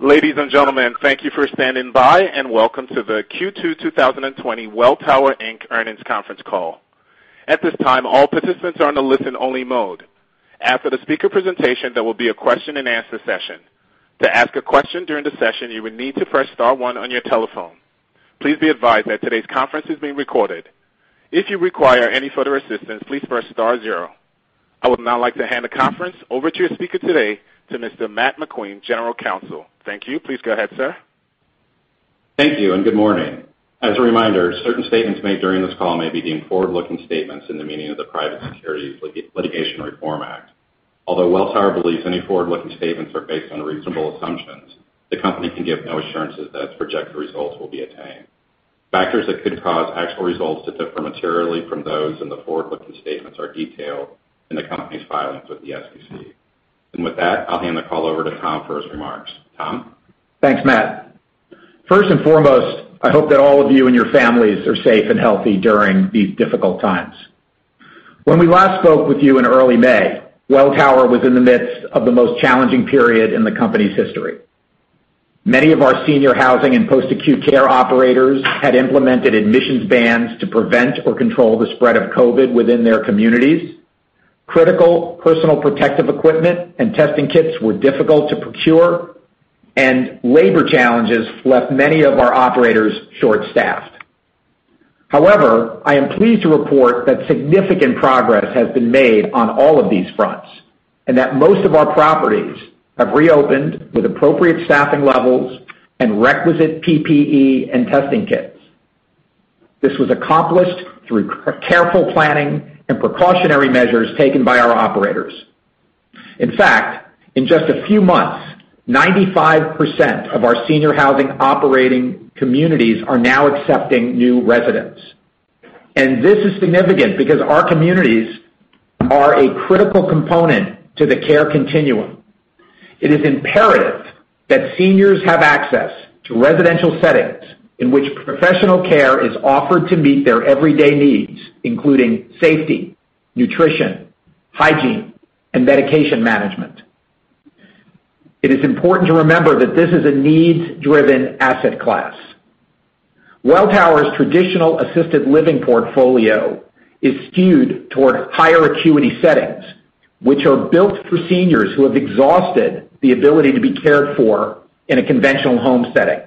Ladies and gentlemen, thank you for standing by, and welcome to the Q2 2020 Welltower Inc Earnings Conference Call. At this time, all participants are in a listen-only mode. After the speaker's presentation, there will be a question-and-answer session. To ask a question during the session, you will need to press star one on your telephone. Please be advised that today's conference is being recorded. If you require any further assistance, please press star zero. I would now like to hand the conference over to your speaker today, to Mr. Matt McQueen, General Counsel. Thank you. Please go ahead, sir. Thank you, and good morning. As a reminder, certain statements made during this call may be deemed forward-looking statements in the meaning of the Private Securities Litigation Reform Act. Although Welltower believes any forward-looking statements are based on reasonable assumptions, the company can give no assurances that its projected results will be attained. Factors that could cause actual results to differ materially from those in the forward-looking statements are detailed in the company's filings with the SEC. With that, I'll hand the call over to Tom for his remarks. Tom? Thanks, Matt. First and foremost, I hope that all of you and your families are safe and healthy during these difficult times. When we last spoke with you in early May, Welltower was in the midst of the most challenging period in the company's history. Many of our senior housing and post-acute care operators had implemented admissions bans to prevent or control the spread of COVID within their communities. Critical personal protective equipment and testing kits were difficult to procure, and labor challenges left many of our operators short-staffed. I am pleased to report that significant progress has been made on all of these fronts, and that most of our properties have reopened with appropriate staffing levels and requisite PPE and testing kits. This was accomplished through careful planning and precautionary measures taken by our operators. In fact, in just a few months, 95% of our senior housing operating communities are now accepting new residents. This is significant because our communities are a critical component to the care continuum. It is imperative that seniors have access to residential settings in which professional care is offered to meet their everyday needs, including safety, nutrition, hygiene, and medication management. It is important to remember that this is a needs-driven asset class. Welltower's traditional assisted living portfolio is skewed towards higher acuity settings, which are built for seniors who have exhausted the ability to be cared for in a conventional home setting.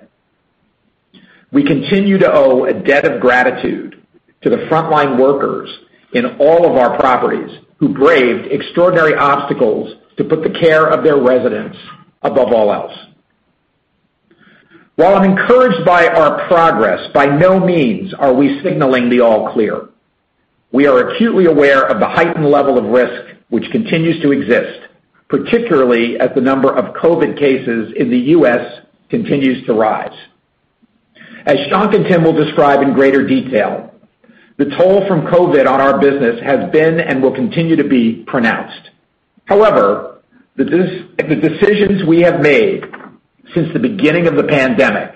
We continue to owe a debt of gratitude to the frontline workers in all of our properties who braved extraordinary obstacles to put the care of their residents above all else. While I'm encouraged by our progress, by no means are we signaling the all clear. We are acutely aware of the heightened level of risk which continues to exist, particularly as the number of COVID cases in the U.S. continues to rise. As Shankh and Tim will describe in greater detail, the toll from COVID on our business has been, and will continue to be, pronounced. However, the decisions we have made since the beginning of the pandemic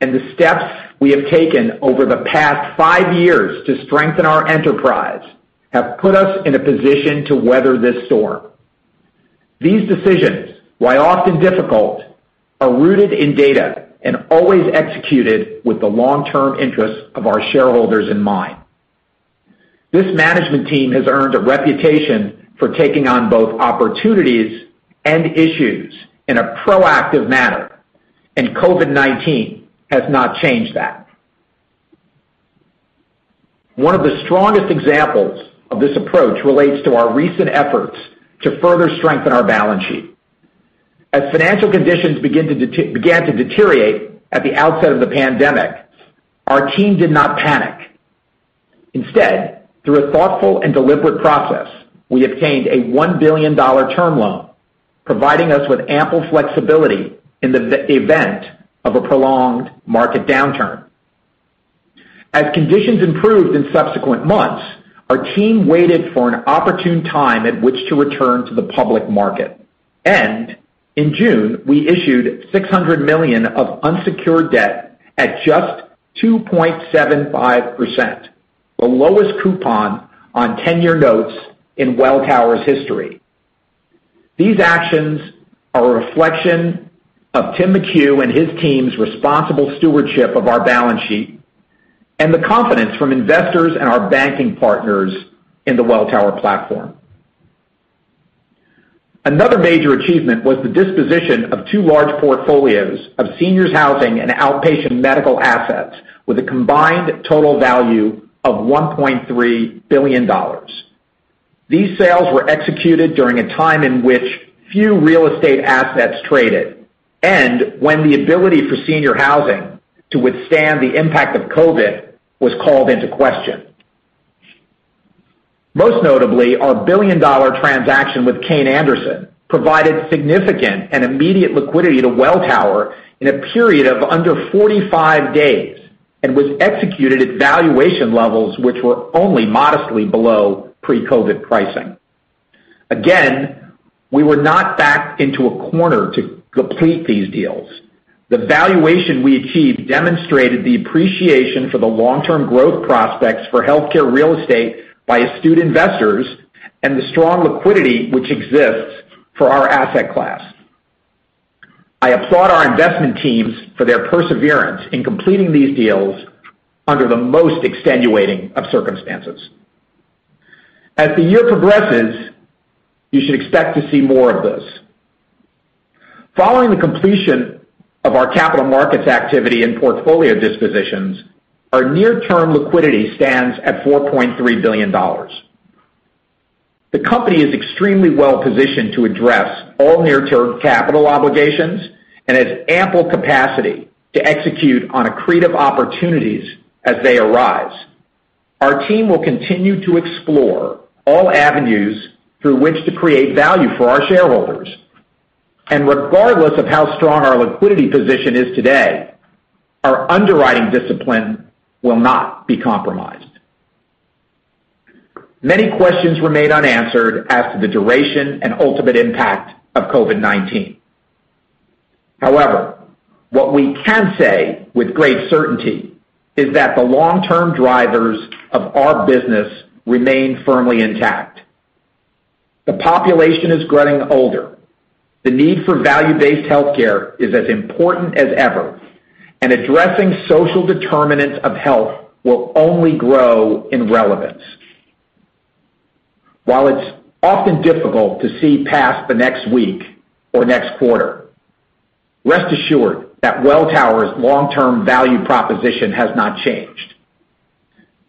and the steps we have taken over the past five years to strengthen our enterprise have put us in a position to weather this storm. These decisions, while often difficult, are rooted in data and always executed with the long-term interests of our shareholders in mind. This management team has earned a reputation for taking on both opportunities and issues in a proactive manner, and COVID-19 has not changed that. One of the strongest examples of this approach relates to our recent efforts to further strengthen our balance sheet. As financial conditions began to deteriorate at the outset of the pandemic, our team did not panic. Instead, through a thoughtful and deliberate process, we obtained a $1 billion term loan, providing us with ample flexibility in the event of a prolonged market downturn. As conditions improved in subsequent months, our team waited for an opportune time at which to return to the public market, and in June, we issued $600 million of unsecured debt at just 2.75%, the lowest coupon on 10-year notes in Welltower's history. These actions are a reflection of Tim McHugh and his team's responsible stewardship of our balance sheet and the confidence from investors and our banking partners in the Welltower platform. Another major achievement was the disposition of two large portfolios of Seniors Housing and Outpatient Medical assets with a combined total value of $1.3 billion. These sales were executed during a time in which few real estate assets traded, and when the ability for senior housing to withstand the impact of COVID was called into question. Most notably, our billion-dollar transaction with Kayne Anderson provided significant and immediate liquidity to Welltower in a period of under 45 days and was executed at valuation levels which were only modestly below pre-COVID pricing. Again, we were not backed into a corner to complete these deals. The valuation we achieved demonstrated the appreciation for the long-term growth prospects for healthcare real estate by astute investors, and the strong liquidity which exists for our asset class. I applaud our investment teams for their perseverance in completing these deals under the most extenuating of circumstances. As the year progresses, you should expect to see more of this. Following the completion of our capital markets activity and portfolio dispositions, our near-term liquidity stands at $4.3 billion. The company is extremely well-positioned to address all near-term capital obligations and has ample capacity to execute on accretive opportunities as they arise. Our team will continue to explore all avenues through which to create value for our shareholders. Regardless of how strong our liquidity position is today, our underwriting discipline will not be compromised. Many questions remain unanswered as to the duration and ultimate impact of COVID-19. However, what we can say with great certainty is that the long-term drivers of our business remain firmly intact. The population is growing older. The need for value-based healthcare is as important as ever. Addressing social determinants of health will only grow in relevance. While it's often difficult to see past the next week or next quarter, rest assured that Welltower's long-term value proposition has not changed.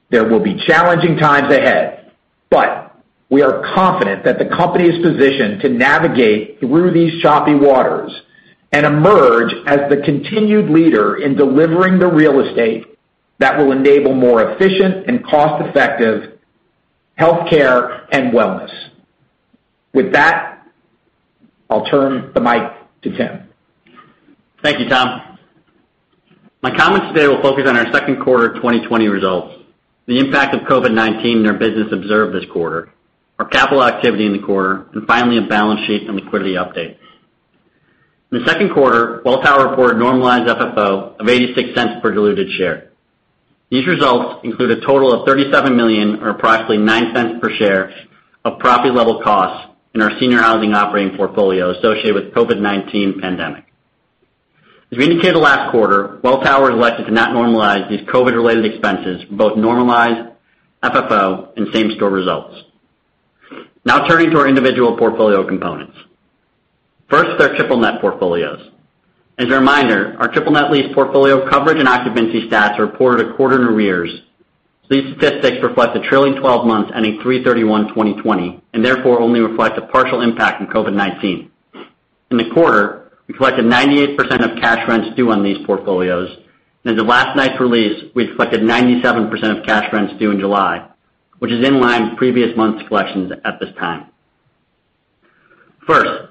There will be challenging times ahead, but we are confident that the company is positioned to navigate through these choppy waters and emerge as the continued leader in delivering the real estate that will enable more efficient and cost-effective healthcare and wellness. With that, I'll turn the mic to Tim. Thank you, Tom. My comments today will focus on our second quarter 2020 results, the impact of COVID-19 in our business observed this quarter, our capital activity in the quarter, finally, a balance sheet and liquidity update. In the second quarter, Welltower reported normalized FFO of $0.86 per diluted share. These results include a total of $37 million or approximately $0.09 per share of property-level costs in our Seniors Housing Operating Portfolio associated with COVID-19 pandemic. As we indicated last quarter, Welltower has elected to not normalize these COVID-related expenses for both normalized FFO and same-store results. Now turning to our individual portfolio components. First, our triple net portfolios. As a reminder, our triple net lease portfolio coverage and occupancy stats are reported a quarter in arrears. These statistics reflect the trailing 12 months ending 3/31/2020, and therefore only reflect a partial impact from COVID-19. In the quarter, we collected 98% of cash rents due on these portfolios. As of last night's release, we've collected 97% of cash rents due in July, which is in line with previous months' collections at this time. First,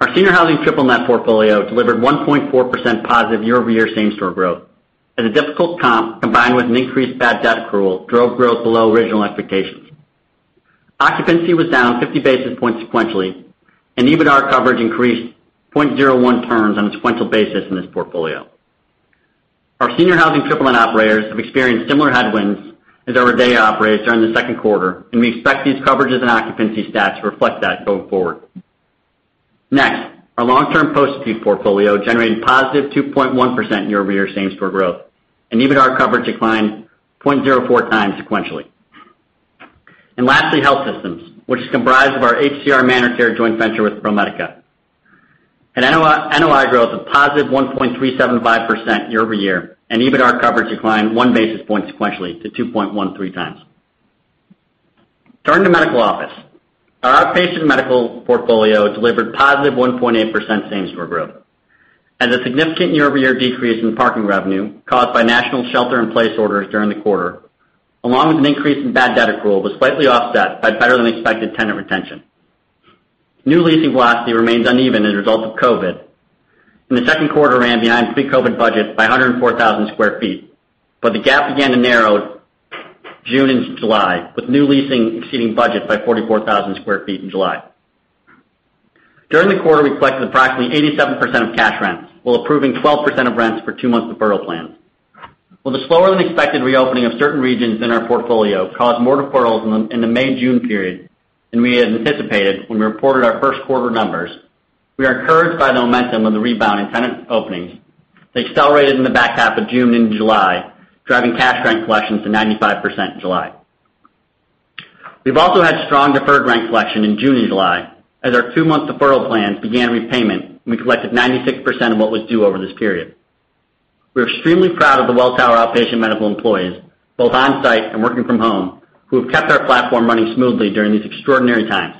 our senior housing triple net portfolio delivered 1.4% positive year-over-year same-store growth. A difficult comp, combined with an increased bad debt accrual, drove growth below original expectations. Occupancy was down 50 basis points sequentially, and EBITDAR coverage increased 0.01x on a sequential basis in this portfolio. Our senior housing triple net operators have experienced similar headwinds as our RIDEA operators during the second quarter, and we expect these coverages and occupancy stats to reflect that going forward. Our long-term post-acute portfolio generated positive 2.1% year-over-year same-store growth, and EBITDAR coverage declined 0.04x sequentially. Lastly, health systems, which is comprised of our HCR ManorCare joint venture with ProMedica. At NOI growth of positive 1.375% year-over-year, and EBITDAR coverage declined one basis point sequentially to 2.13x. Turning to medical office. Our Outpatient Medical portfolio delivered positive 1.8% same-store growth. As a significant year-over-year decrease in parking revenue caused by national shelter in place orders during the quarter, along with an increase in bad debt accrual was slightly offset by better-than-expected tenant retention. New leasing velocity remains uneven as a result of COVID. In the second quarter ran behind pre-COVID budgets by 104,000 sq ft. The gap began to narrow June into July, with new leasing exceeding budget by 44,000 sq ft in July. During the quarter, we collected approximately 87% of cash rents while approving 12% of rents for two months deferral plans. With the slower than expected reopening of certain regions in our portfolio caused more deferrals in the May-June period than we had anticipated when we reported our first quarter numbers, we are encouraged by the momentum of the rebound in tenant openings that accelerated in the back half of June and July, driving cash rent collections to 95% in July. We've also had strong deferred rent collection in June and July as our two-month deferral plans began repayment, and we collected 96% of what was due over this period. We're extremely proud of the Welltower Outpatient Medical employees, both on-site and working from home, who have kept our platform running smoothly during these extraordinary times.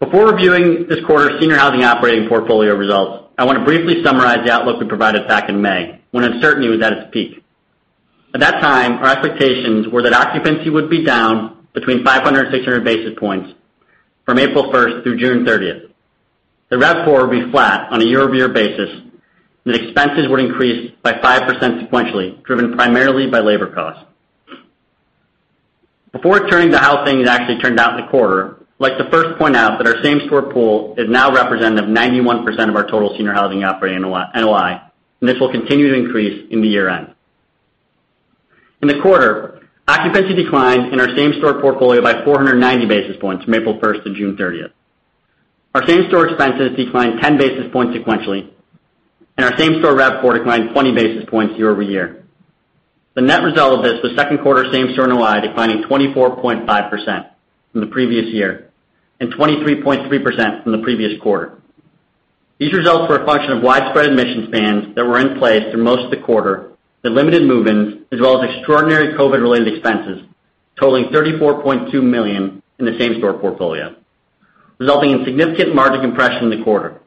Before reviewing this quarter's Seniors Housing Operating Portfolio results, I want to briefly summarize the outlook we provided back in May, when uncertainty was at its peak. At that time, our expectations were that occupancy would be down between 500 basis points and 600 basis points from April 1st through June 30th. RevPAR would be flat on a year-over-year basis, and that expenses would increase by 5% sequentially, driven primarily by labor costs. Before turning to how things actually turned down in the quarter, I'd like to first point out that our same-store pool is now representative of 91% of our total senior housing operating NOI, and this will continue to increase in the year-end. In the quarter, occupancy declined in our same-store portfolio by 490 basis points from April 1st to June 30th. Our same-store expenses declined 10 basis points sequentially, and our same-store RevPAR declined 20 basis points year-over-year. The net result of this was second quarter same-store NOI declining 24.5% from the previous year, and 23.3% from the previous quarter. These results were a function of widespread admission spans that were in place through most of the quarter that limited move-ins, as well as extraordinary COVID-related expenses totaling $34.2 million in the same-store portfolio, resulting in significant margin compression in the quarter.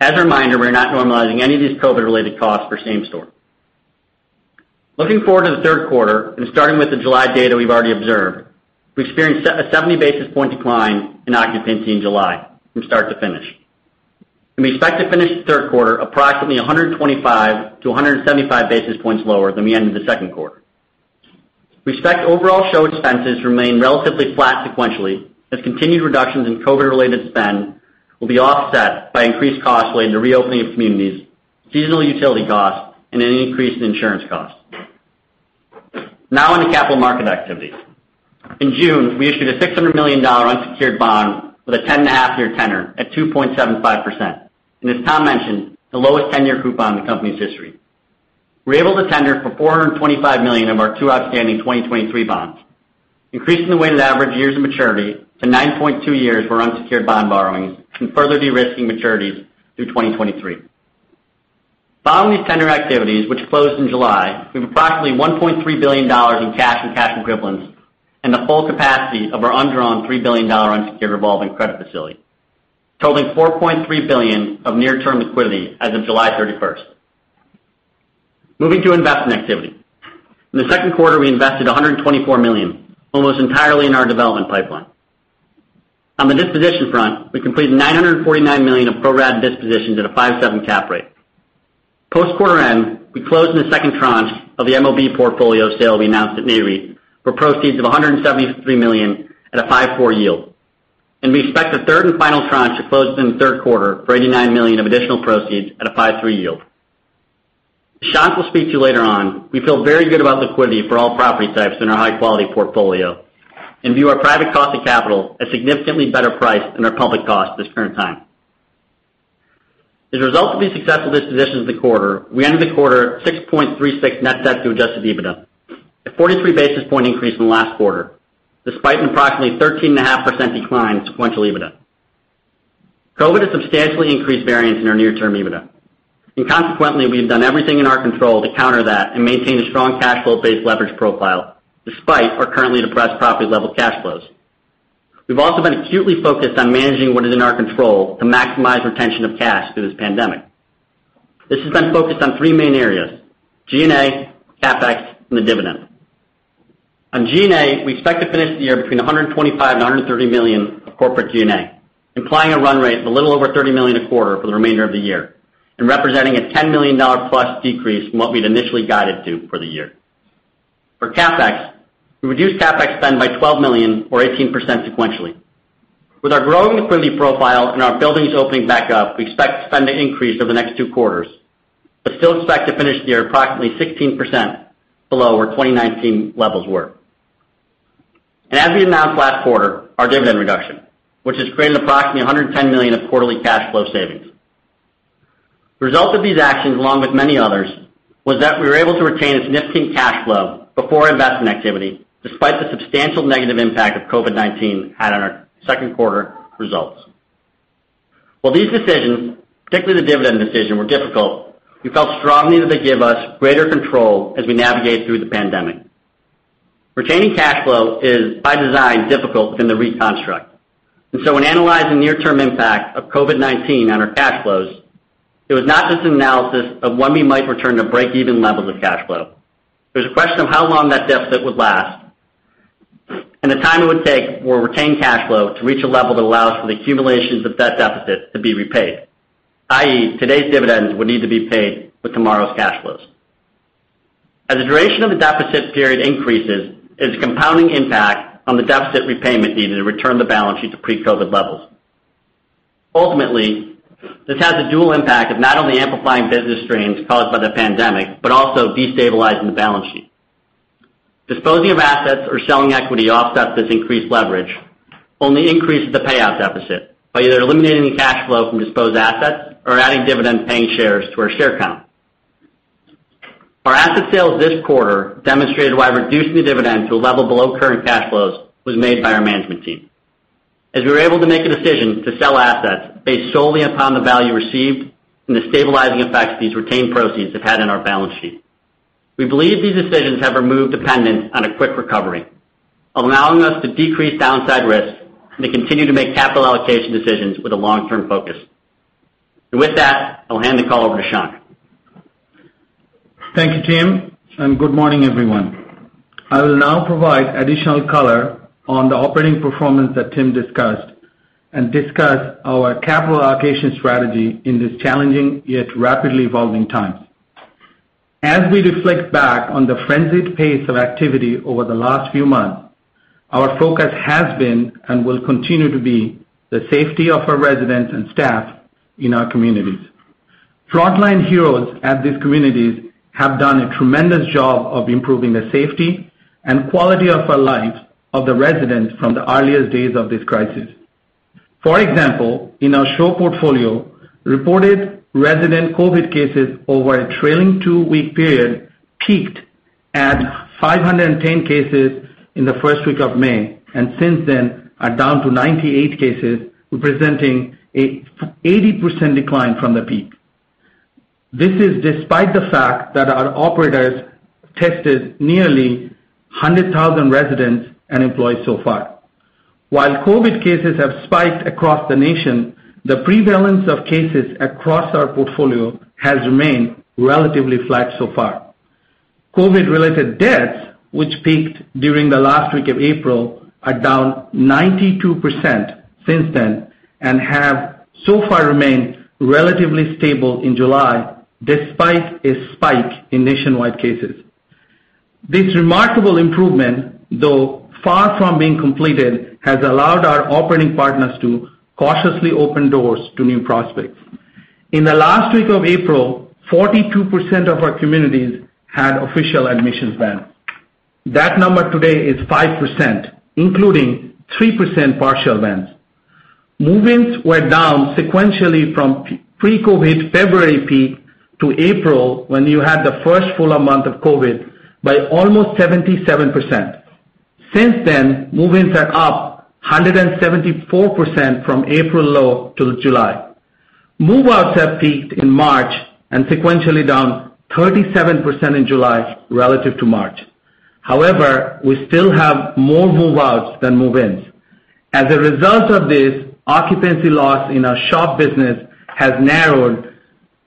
As a reminder, we're not normalizing any of these COVID-related costs for same-store. Looking forward to the third quarter and starting with the July data we've already observed, we experienced a 70 basis point decline in occupancy in July from start to finish. We expect to finish the third quarter approximately 125 basis points to 175 basis points lower than we ended the second quarter. We expect overall SHOP expenses to remain relatively flat sequentially, as continued reductions in COVID-related spend will be offset by increased costs related to reopening of communities, seasonal utility costs, and any increase in insurance costs. Now in the capital market activities. In June, we issued a $600 million unsecured bond with a 10.5 year tenor at 2.75%, and as Tom mentioned, the lowest 10-year coupon in the company's history. We were able to tender for $425 million of our two outstanding 2023 bonds, increasing the weighted average years of maturity to 9.2 years for unsecured bond borrowings and further de-risking maturities through 2023. Following these tender activities, which closed in July, we have approximately $1.3 billion in cash and cash equivalents and the full capacity of our undrawn $3 billion unsecured revolving credit facility, totaling $4.3 billion of near-term liquidity as of July 31st. Moving to investment activity. In the second quarter, we invested $124 million, almost entirely in our development pipeline. On the disposition front, we completed $949 million of pro-rata dispositions at a 5.7% cap rate. Post quarter end, we closed in the second tranche of the MOB portfolio sale we announced at Nareit for proceeds of $173 million at a 5.4% Yield. We expect the third and final tranche to close in the third quarter for $89 million of additional proceeds at a five three yield. Shankh will speak to later on, we feel very good about liquidity for all property types in our high-quality portfolio and view our private cost of capital at significantly better price than our public cost at this current time. As a result of these successful dispositions in the quarter, we ended the quarter 6.36x net debt to adjusted EBITDA, a 43 basis point increase from last quarter, despite an approximately 13.5% decline in sequential EBITDA. COVID has substantially increased variance in our near-term EBITDA. Consequently, we have done everything in our control to counter that and maintain a strong cash flow-based leverage profile despite our currently depressed property level cash flows. We've also been acutely focused on managing what is in our control to maximize retention of cash through this pandemic. This has been focused on three main areas: G&A, CapEx, and the dividend. On G&A, we expect to finish the year between $125 million and $130 million of corporate G&A, implying a run rate of a little over $30 million a quarter for the remainder of the year and representing a $10 million plus decrease from what we'd initially guided to for the year. For CapEx, we reduced CapEx spend by $12 million or 18% sequentially. With our growing liquidity profile and our buildings opening back up, we expect spending increase over the next two quarters, but still expect to finish the year approximately 16% below where 2019 levels were. As we announced last quarter, our dividend reduction, which has created approximately $110 million of quarterly cash flow savings. The result of these actions, along with many others, was that we were able to retain a significant cash flow before investment activity, despite the substantial negative impact of COVID-19 had on our second quarter results. While these decisions, particularly the dividend decision, were difficult, we felt strongly that they give us greater control as we navigate through the pandemic. Retaining cash flow is, by design, difficult within the REIT construct. When analyzing near-term impact of COVID-19 on our cash flows, it was not just an analysis of when we might return to break-even levels of cash flow. It was a question of how long that deficit would last and the time it would take for retained cash flow to reach a level that allows for the accumulations of that deficit to be repaid, i.e., today's dividends would need to be paid with tomorrow's cash flows. As the duration of the deficit period increases, it's a compounding impact on the deficit repayment needed to return the balance sheet to pre-COVID levels. Ultimately, this has a dual impact of not only amplifying business strains caused by the pandemic, but also destabilizing the balance sheet. Disposing of assets or selling equity offsets this increased leverage only increases the payout deficit by either eliminating the cash flow from disposed assets or adding dividend-paying shares to our share count. Our asset sales this quarter demonstrated why reducing the dividend to a level below current cash flows was made by our management team, as we were able to make a decision to sell assets based solely upon the value received and the stabilizing effects these retained proceeds have had on our balance sheet. We believe these decisions have removed dependence on a quick recovery, allowing us to decrease downside risks and to continue to make capital allocation decisions with a long-term focus. With that, I'll hand the call over to Shankh. Thank you, Tim, and good morning, everyone. I will now provide additional color on the operating performance that Tim discussed and discuss our capital allocation strategy in this challenging yet rapidly evolving time. As we reflect back on the frenzied pace of activity over the last few months, our focus has been and will continue to be the safety of our residents and staff in our communities. Frontline heroes at these communities have done a tremendous job of improving the safety and quality of our lives of the residents from the earliest days of this crisis. For example, in our SHOP portfolio, reported resident COVID cases over a trailing two-week period peaked at 510 cases in the first week of May, and since then are down to 98 cases, representing a 80% decline from the peak. This is despite the fact that our operators tested nearly 100,000 residents and employees so far. While COVID cases have spiked across the nation, the prevalence of cases across our portfolio has remained relatively flat so far. COVID-related deaths, which peaked during the last week of April, are down 92% since then and have so far remained relatively stable in July, despite a spike in nationwide cases. This remarkable improvement, though far from being completed, has allowed our operating partners to cautiously open doors to new prospects. In the last week of April, 42% of our communities had official admissions bans. That number today is 5%, including 3% partial bans. Move-ins were down sequentially from pre-COVID February peak to April, when you had the first full amount of COVID, by almost 77%. Since then, move-ins are up 174% from April low till July. Move-outs have peaked in March and sequentially down 37% in July relative to March. However, we still have more move-outs than move-ins. As a result of this, occupancy loss in our SHOP business has narrowed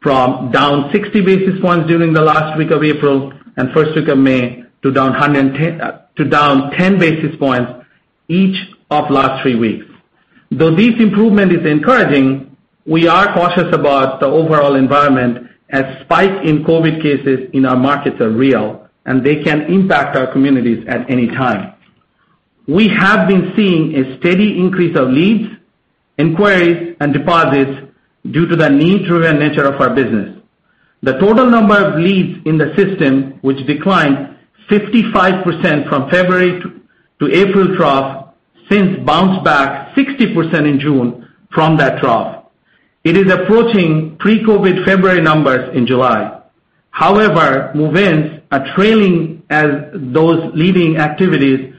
from down 60 basis points during the last week of April and first week of May to down 10 basis points each of last three weeks. Though this improvement is encouraging, we are cautious about the overall environment as spikes in COVID cases in our markets are real, and they can impact our communities at any time. We have been seeing a steady increase of leads, inquiries, and deposits due to the need-driven nature of our business. The total number of leads in the system, which declined 55% from February to April trough, since bounced back 60% in June from that trough. It is approaching pre-COVID February numbers in July. Move-ins are trailing as those leading activities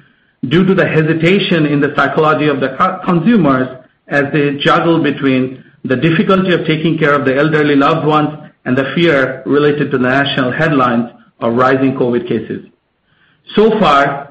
due to the hesitation in the psychology of the consumers as they juggle between the difficulty of taking care of the elderly loved ones and the fear related to national headlines of rising COVID cases.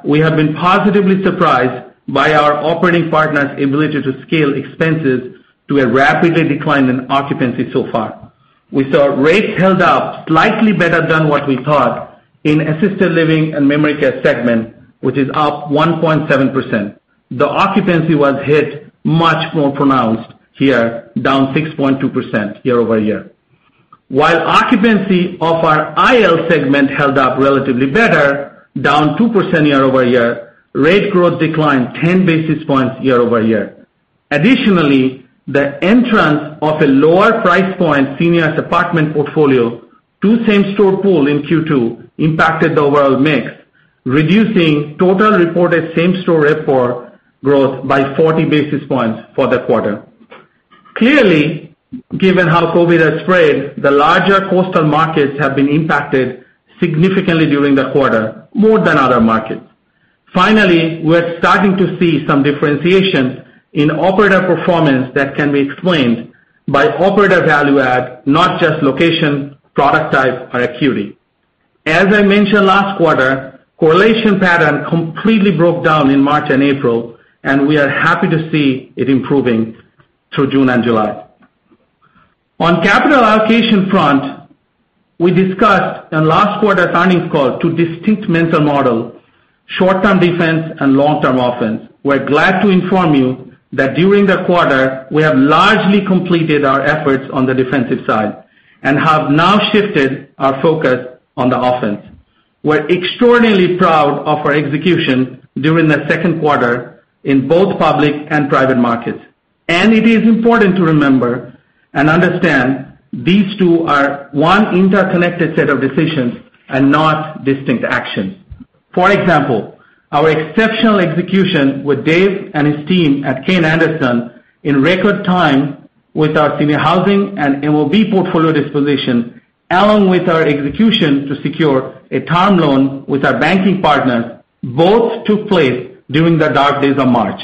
We have been positively surprised by our operating partners' ability to scale expenses to a rapidly decline in occupancy so far. We saw rates held up slightly better than what we thought in assisted living and memory care segment, which is up 1.7%. The occupancy was hit much more pronounced here, down 6.2% year-over-year. While occupancy of our IL segment held up relatively better, down 2% year-over-year, rate growth declined 10 basis points year-over-year. Additionally, the entrance of a lower price point seniors apartment portfolio to same store pool in Q2 impacted the overall mix, reducing total reported same store report growth by 40 basis points for the quarter. Clearly, given how COVID has spread, the larger coastal markets have been impacted significantly during the quarter, more than other markets. Finally, we're starting to see some differentiation in operator performance that can be explained by operator value add, not just location, product type, or acuity. As I mentioned last quarter, correlation pattern completely broke down in March and April, and we are happy to see it improving through June and July. On capital allocation front, we discussed in last quarter's earnings call two distinct mental model, short-term defense and long-term offense. We're glad to inform you that during the quarter, we have largely completed our efforts on the defensive side and have now shifted our focus on the offense. We're extraordinarily proud of our execution during the second quarter in both public and private markets. It is important to remember and understand these two are one interconnected set of decisions and not distinct actions. For example, our exceptional execution with Dave and his team at Kayne Anderson in record time with our senior housing and MOB portfolio disposition, along with our execution to secure a term loan with our banking partners, both took place during the dark days of March.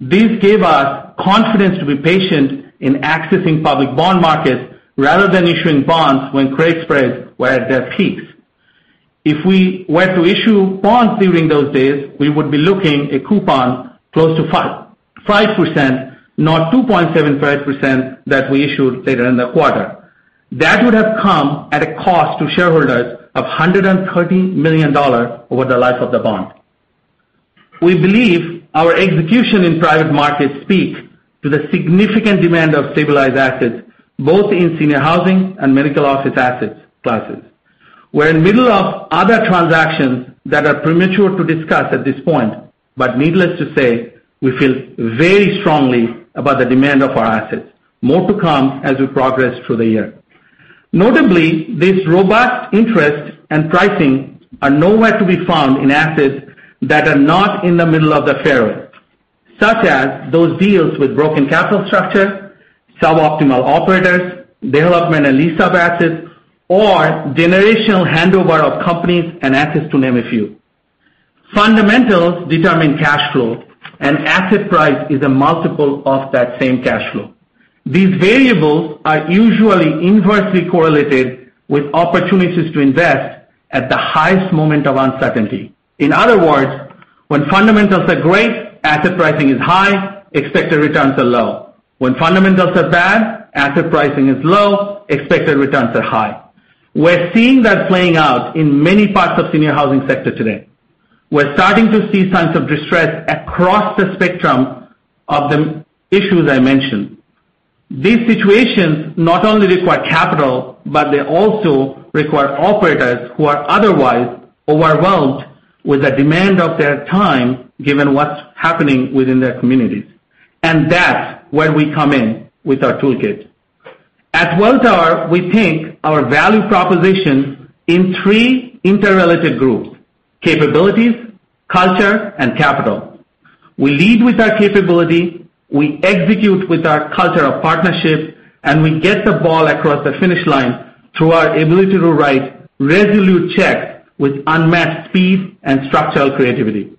This gave us confidence to be patient in accessing public bond markets rather than issuing bonds when credit spreads were at their peaks. If we were to issue bonds during those days, we would be looking at coupon close to 5%, not 2.75% that we issued later in the quarter. That would have come at a cost to shareholders of $130 million over the life of the bond. We believe our execution in private markets speaks to the significant demand of stabilized assets, both in senior housing and medical office asset classes. We're in the middle of other transactions that are premature to discuss at this point, but needless to say, we feel very strongly about the demand of our assets. More to come as we progress through the year. Notably, this robust interest and pricing are nowhere to be found in assets that are not in the middle of the fairway, such as those deals with broken capital structure, suboptimal operators, development and lease-up assets, or generational handover of companies and assets, to name a few. Fundamentals determine cash flow, and asset price is a multiple of that same cash flow. These variables are usually inversely correlated with opportunities to invest at the highest moment of uncertainty. In other words, when fundamentals are great, asset pricing is high, expected returns are low. When fundamentals are bad, asset pricing is low, expected returns are high. We're seeing that playing out in many parts of senior housing sector today. We're starting to see signs of distress across the spectrum of the issues I mentioned. These situations not only require capital, but they also require operators who are otherwise overwhelmed with the demand of their time given what's happening within their communities. That's where we come in with our toolkit. At Welltower, we think our value proposition in three interrelated groups: capabilities, culture, and capital. We lead with our capability, we execute with our culture of partnership, and we get the ball across the finish line through our ability to write resolute checks with unmatched speed and structural creativity.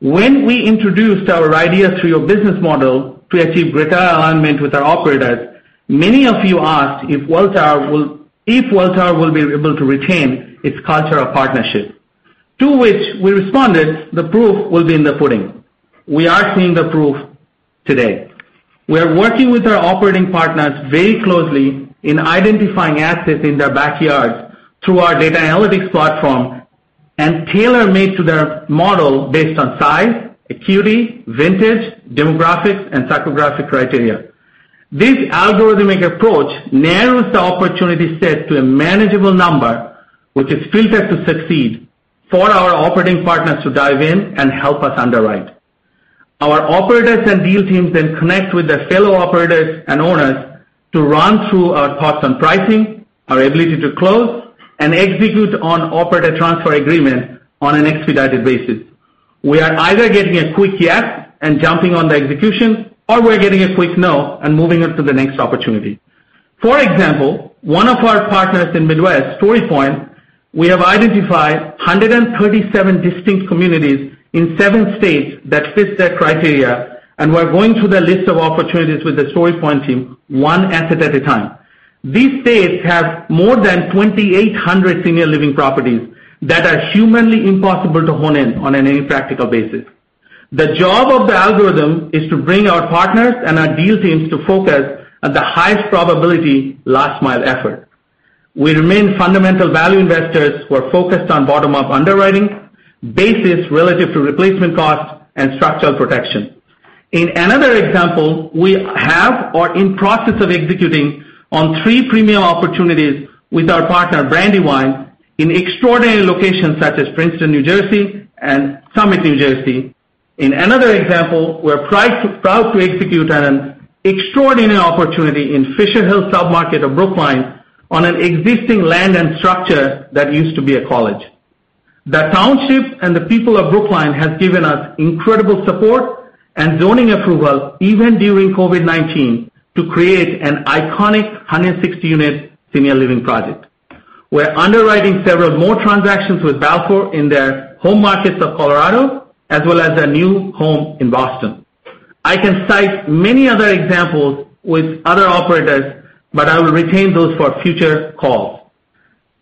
When we introduced our RIDEA through a business model to achieve greater alignment with our operators, many of you asked if Welltower will be able to retain its culture of partnership. To which we responded, the proof will be in the pudding. We are seeing the proof today. We are working with our operating partners very closely in identifying assets in their backyards through our data analytics platform and tailor-made to their model based on size, acuity, vintage, demographics, and psychographic criteria. This algorithmic approach narrows the opportunity set to a manageable number, which is filtered to succeed for our operating partners to dive in and help us underwrite. Our operators and deal teams then connect with their fellow operators and owners to run through our thoughts on pricing, our ability to close, and execute on operator transfer agreement on an expedited basis. We are either getting a quick yes and jumping on the execution, or we're getting a quick no and moving on to the next opportunity. For example, one of our partners in Midwest, StoryPoint, we have identified 137 distinct communities in seven states that fit their criteria, and we're going through the list of opportunities with the StoryPoint team one asset at a time. These states have more than 2,800 senior living properties that are humanly impossible to hone in on any practical basis. The job of the algorithm is to bring our partners and our deal teams to focus on the highest probability last-mile effort. We remain fundamental value investors who are focused on bottom-up underwriting, basis relative to replacement cost, and structural protection. In another example, we have or in process of executing on three premium opportunities with our partner Brandywine in extraordinary locations such as Princeton, New Jersey, and Summit, New Jersey. In another example, we're proud to execute on an extraordinary opportunity in Fisher Hill submarket of Brookline on an existing land and structure that used to be a college. The township and the people of Brookline have given us incredible support and zoning approval, even during COVID-19, to create an iconic 160-unit senior living project. We're underwriting several more transactions with Balfour in their home markets of Colorado, as well as their new home in Boston. I can cite many other examples with other operators, but I will retain those for future calls.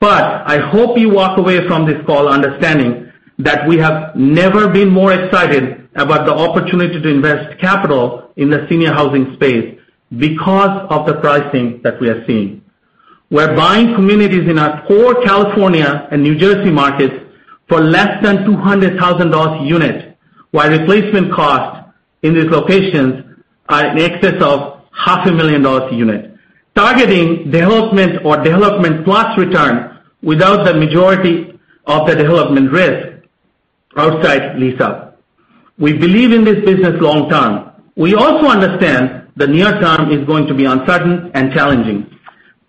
I hope you walk away from this call understanding that we have never been more excited about the opportunity to invest capital in the senior housing space because of the pricing that we are seeing. We're buying communities in our core California and New Jersey markets for less than $200,000 a unit, while replacement costs in these locations are in excess of half a million dollars a unit. Targeting development or development-plus return without the majority of the development risk outside lease-up. We believe in this business long-term. We also understand the near term is going to be uncertain and challenging.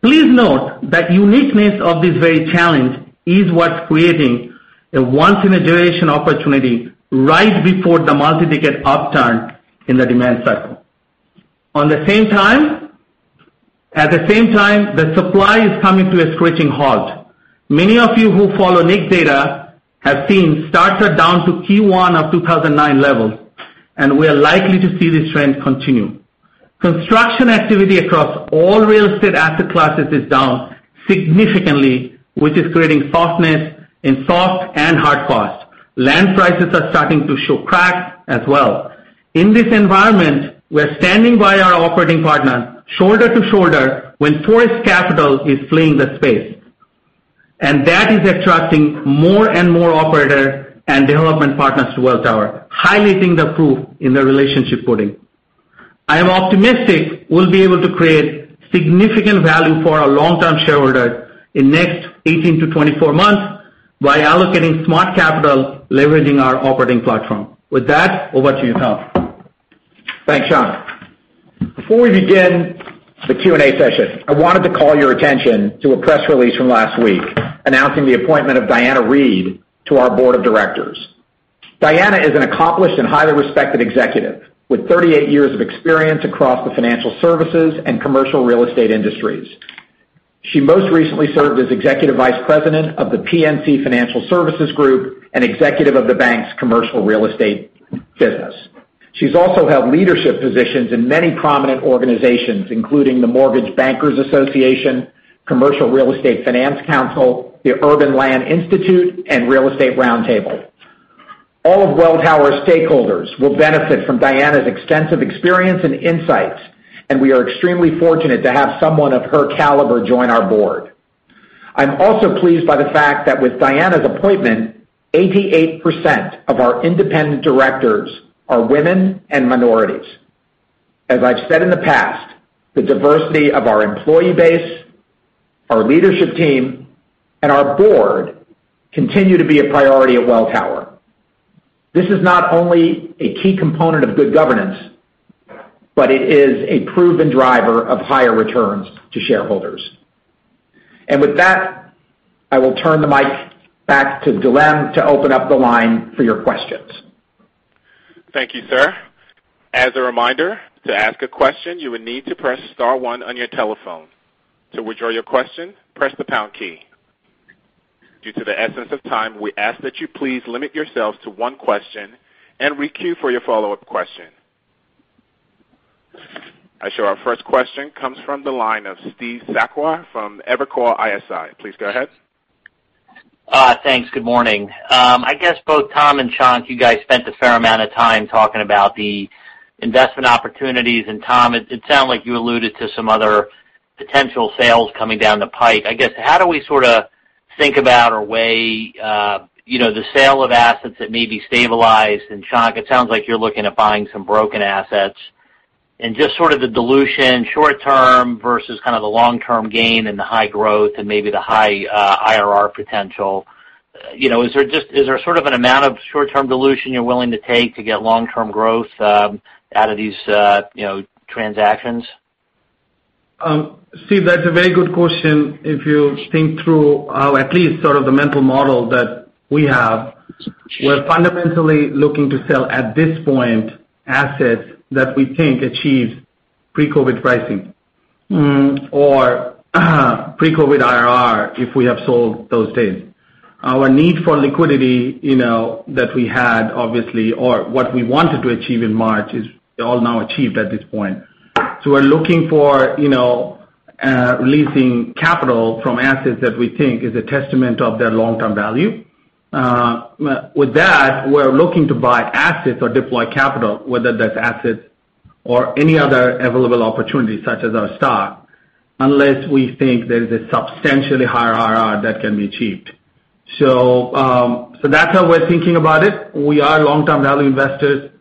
Please note that uniqueness of this very challenge is what's creating a once-in-a-generation opportunity right before the multi-decade upturn in the demand cycle. At the same time, the supply is coming to a screeching halt. Many of you who follow NIC data have seen starts are down to Q1 of 2009 levels, and we are likely to see this trend continue. Construction activity across all real estate asset classes is down significantly, which is creating softness in soft and hard costs. Land prices are starting to show cracks as well. In this environment, we're standing by our operating partners shoulder to shoulder when forced capital is fleeing the space. That is attracting more and more operators and development partners to Welltower, highlighting the proof in the relationship building. I am optimistic we'll be able to create significant value for our long-term shareholders in next 18 to 24 months by allocating smart capital, leveraging our operating platform. With that, over to you, Tom. Thanks, Shankh. Before we begin the Q&A session, I wanted to call your attention to a press release from last week announcing the appointment of Diana Reid to our board of directors. Diana is an accomplished and highly respected executive with 38 years of experience across the financial services and commercial real estate industries. She most recently served as Executive Vice President of The PNC Financial Services Group and Executive of the bank's commercial real estate business. She's also held leadership positions in many prominent organizations, including the Mortgage Bankers Association, CRE Finance Council, the Urban Land Institute, and Real Estate Roundtable. All of Welltower stakeholders will benefit from Diana's extensive experience and insights. We are extremely fortunate to have someone of her caliber join our board. I'm also pleased by the fact that with Diana's appointment, 88% of our independent directors are women and minorities. As I've said in the past, the diversity of our employee base, our leadership team, and our board continue to be a priority at Welltower. This is not only a key component of good governance, but it is a proven driver of higher returns to shareholders. With that, I will turn the mic back to [Gilem] to open up the line for your questions. Thank you, sir. As a reminder, to ask a question, you will need to press star one on your telephone. To withdraw your question, press the pound key. Due to the essence of time, we ask that you please limit yourselves to one question and re-queue for your follow-up question. I show our first question comes from the line of Steve Sakwa from Evercore ISI. Please go ahead. Thanks. Good morning. I guess both Tom and Shankh, you guys spent a fair amount of time talking about the investment opportunities. Tom, it sounded like you alluded to some other potential sales coming down the pipe. I guess, how do we sort of think about or weigh the sale of assets that may be stabilized? Shankh, it sounds like you're looking at buying some broken assets. Just sort of the dilution short-term versus kind of the long-term gain and the high growth and maybe the high IRR potential. Is there sort of an amount of short-term dilution you're willing to take to get long-term growth out of these transactions? Steve, that's a very good question. If you think through our, at least sort of the mental model that we have, we're fundamentally looking to sell, at this point, assets that we think achieve pre-COVID pricing or pre-COVID IRR if we have sold those days. Our need for liquidity that we had obviously, or what we wanted to achieve in March is all now achieved at this point. We're looking for releasing capital from assets that we think is a testament of their long-term value. With that, we're looking to buy assets or deploy capital, whether that's assets or any other available opportunities such as our stock, unless we think there's a substantially higher IRR that can be achieved. That's how we're thinking about it. We are long-term value investors,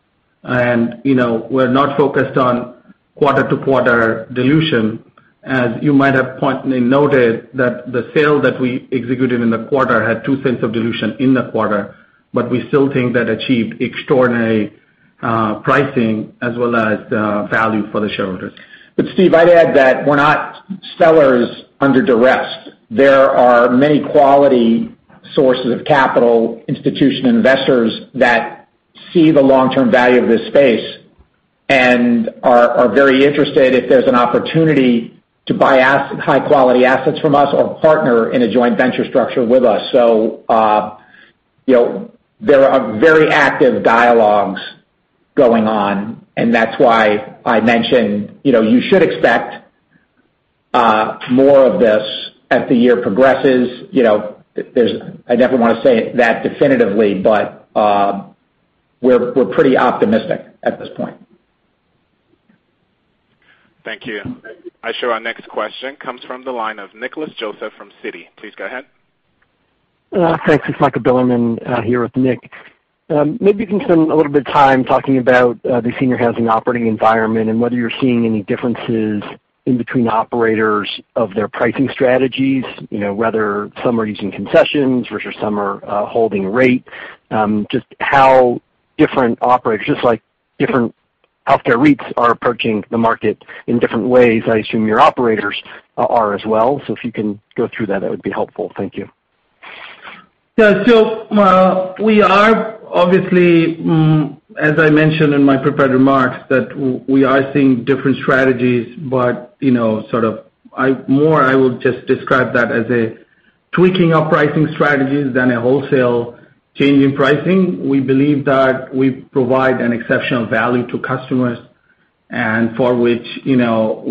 and we're not focused on quarter-to-quarter dilution. As you might have pointedly noted that the sale that we executed in the quarter had $0.02 of dilution in the quarter, but we still think that achieved extraordinary pricing as well as value for the shareholders. Steve, I'd add that we're not sellers under duress. There are many quality sources of capital institutional investors that see the long-term value of this space and are very interested if there's an opportunity to buy high-quality assets from us or partner in a joint venture structure with us. There are very active dialogues going on, and that's why I mentioned you should expect more of this as the year progresses. I never want to say that definitively, we're pretty optimistic at this point. Thank you. I show our next question comes from the line of Nicholas Joseph from Citi. Please go ahead. Thanks. It's Michael Bilerman here with Nick. Maybe you can spend a little bit of time talking about the senior housing operating environment and whether you're seeing any differences in between operators of their pricing strategies, whether some are using concessions versus some are holding rate. Just how different operators, just like different healthcare REITs are approaching the market in different ways, I assume your operators are as well. If you can go through that would be helpful. Thank you. Yeah. We are obviously, as I mentioned in my prepared remarks, that we are seeing different strategies, but sort of more I would just describe that as a tweaking of pricing strategies than a wholesale change in pricing. We believe that we provide an exceptional value to customers, and for which we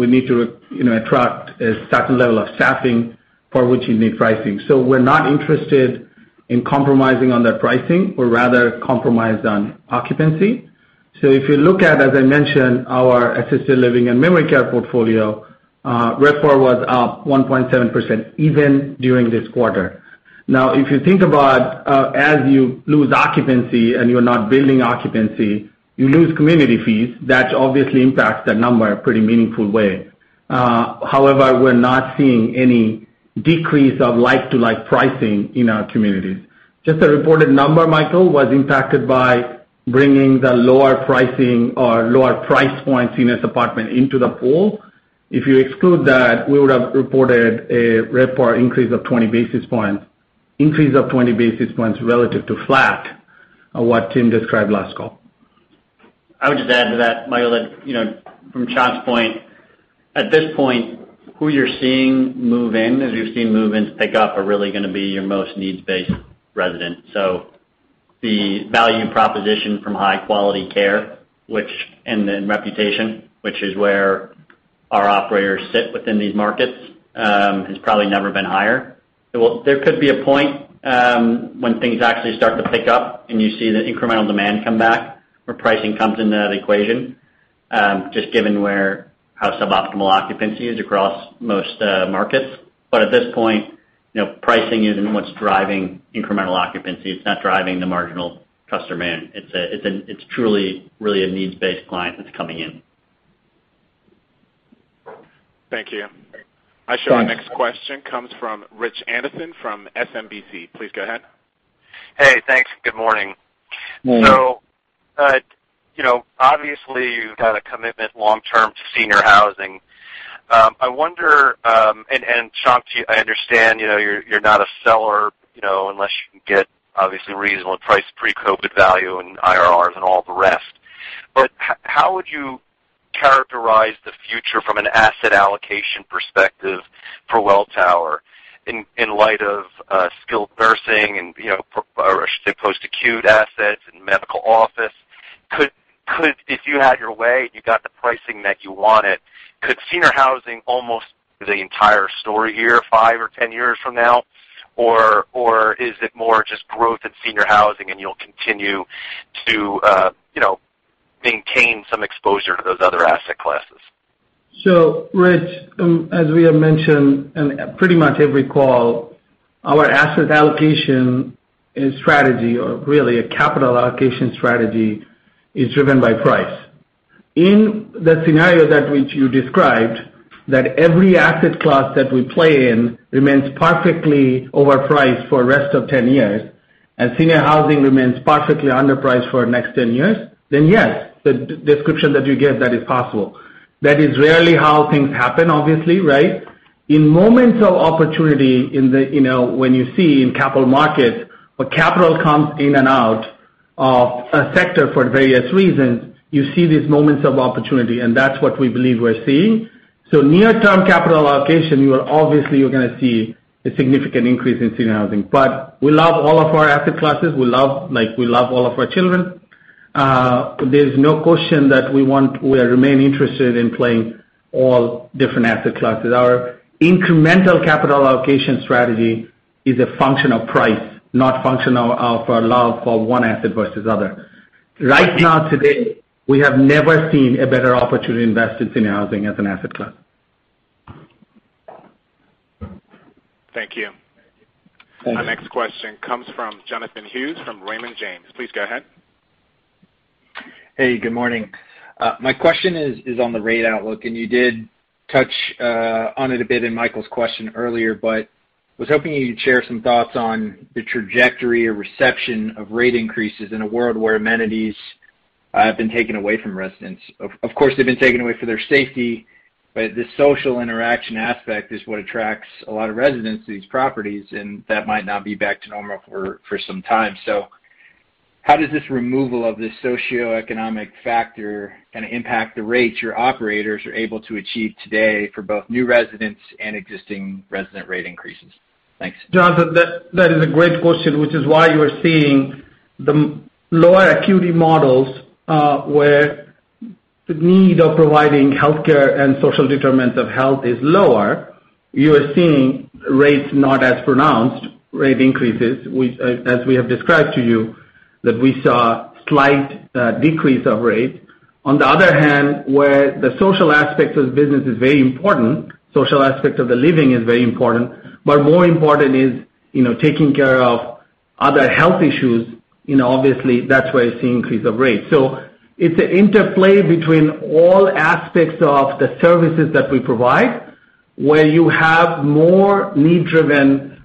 need to attract a certain level of staffing for which you need pricing. We're not interested in compromising on that pricing. We'd rather compromise on occupancy. If you look at, as I mentioned, our assisted living and memory care portfolio, RevPAR was up 1.7%, even during this quarter. Now, if you think about as you lose occupancy and you're not building occupancy, you lose community fees. That obviously impacts that number a pretty meaningful way. However, we're not seeing any decrease of like-to-like pricing in our communities. Just the reported number, Michael, was impacted by bringing the lower pricing or lower price points seniors apartment into the pool. If you exclude that, we would have reported a RevPAR increase of 20 basis points relative to flat of what Tim described last call. I would just add to that, Michael, that from Shankh's point, at this point, who you're seeing move in, as you've seen move-ins pick up, are really going to be your most needs-based residents. The value proposition from high-quality care and then reputation, which is where our operators sit within these markets, has probably never been higher. There could be a point when things actually start to pick up, and you see the incremental demand come back, where pricing comes into that equation, just given how suboptimal occupancy is across most markets. At this point, pricing isn't what's driving incremental occupancy. It's not driving the marginal customer in. It's truly, really a needs-based client that's coming in. Thank you. Thanks. Our next question comes from Rich Anderson from SMBC. Please go ahead. Hey, thanks. Good morning. Morning. Obviously you've got a commitment long-term to senior housing. I wonder, and Shankh, I understand you're not a seller, unless you can get obviously reasonable price pre-COVID value and IRRs and all the rest. How would you characterize the future from an asset allocation perspective for Welltower in light of skilled nursing and, or I should say, post-acute assets and medical office? If you had your way and you got the pricing that you wanted, could senior housing almost be the entire story here five or 10 years from now? Is it more just growth in senior housing and you'll continue to maintain some exposure to those other asset classes? Rich, as we have mentioned in pretty much every call, our asset allocation strategy, or really a capital allocation strategy, is driven by price. In the scenario that which you described, that every asset class that we play in remains perfectly overpriced for the rest of 10 years, and senior housing remains perfectly underpriced for the next 10 years, then yes, the description that you gave, that is possible. That is rarely how things happen, obviously, right? In moments of opportunity when you see in capital markets where capital comes in and out of a sector for various reasons, you see these moments of opportunity, and that's what we believe we're seeing. Near-term capital allocation, obviously you're going to see a significant increase in senior housing. We love all of our asset classes. We love all of our children. There's no question that we remain interested in playing all different asset classes. Our incremental capital allocation strategy is a function of price, not a function of our love for one asset versus other. Right now today, we have never seen a better opportunity to invest in senior housing as an asset class. Thank you. Thank you. Our next question comes from Jonathan Hughes from Raymond James. Please go ahead. Hey, good morning. My question is on the rate outlook, and you did touch on it a bit in Michael's question earlier, but I was hoping you'd share some thoughts on the trajectory or reception of rate increases in a world where amenities have been taken away from residents. Of course, they've been taken away for their safety, but the social interaction aspect is what attracts a lot of residents to these properties, and that might not be back to normal for some time. How does this removal of this socioeconomic factor impact the rates your operators are able to achieve today for both new residents and existing resident rate increases? Thanks. Jonathan, that is a great question, which is why you are seeing the lower acuity models, where the need of providing healthcare and social determinants of health is lower. You are seeing rates not as pronounced, rate increases, as we have described to you, that we saw a slight decrease of rates. On the other hand, where the social aspect of the business is very important, social aspect of the living is very important. More important is taking care of other health issues, obviously that's where you're seeing increase of rates. It's an interplay between all aspects of the services that we provide, where you have more need-driven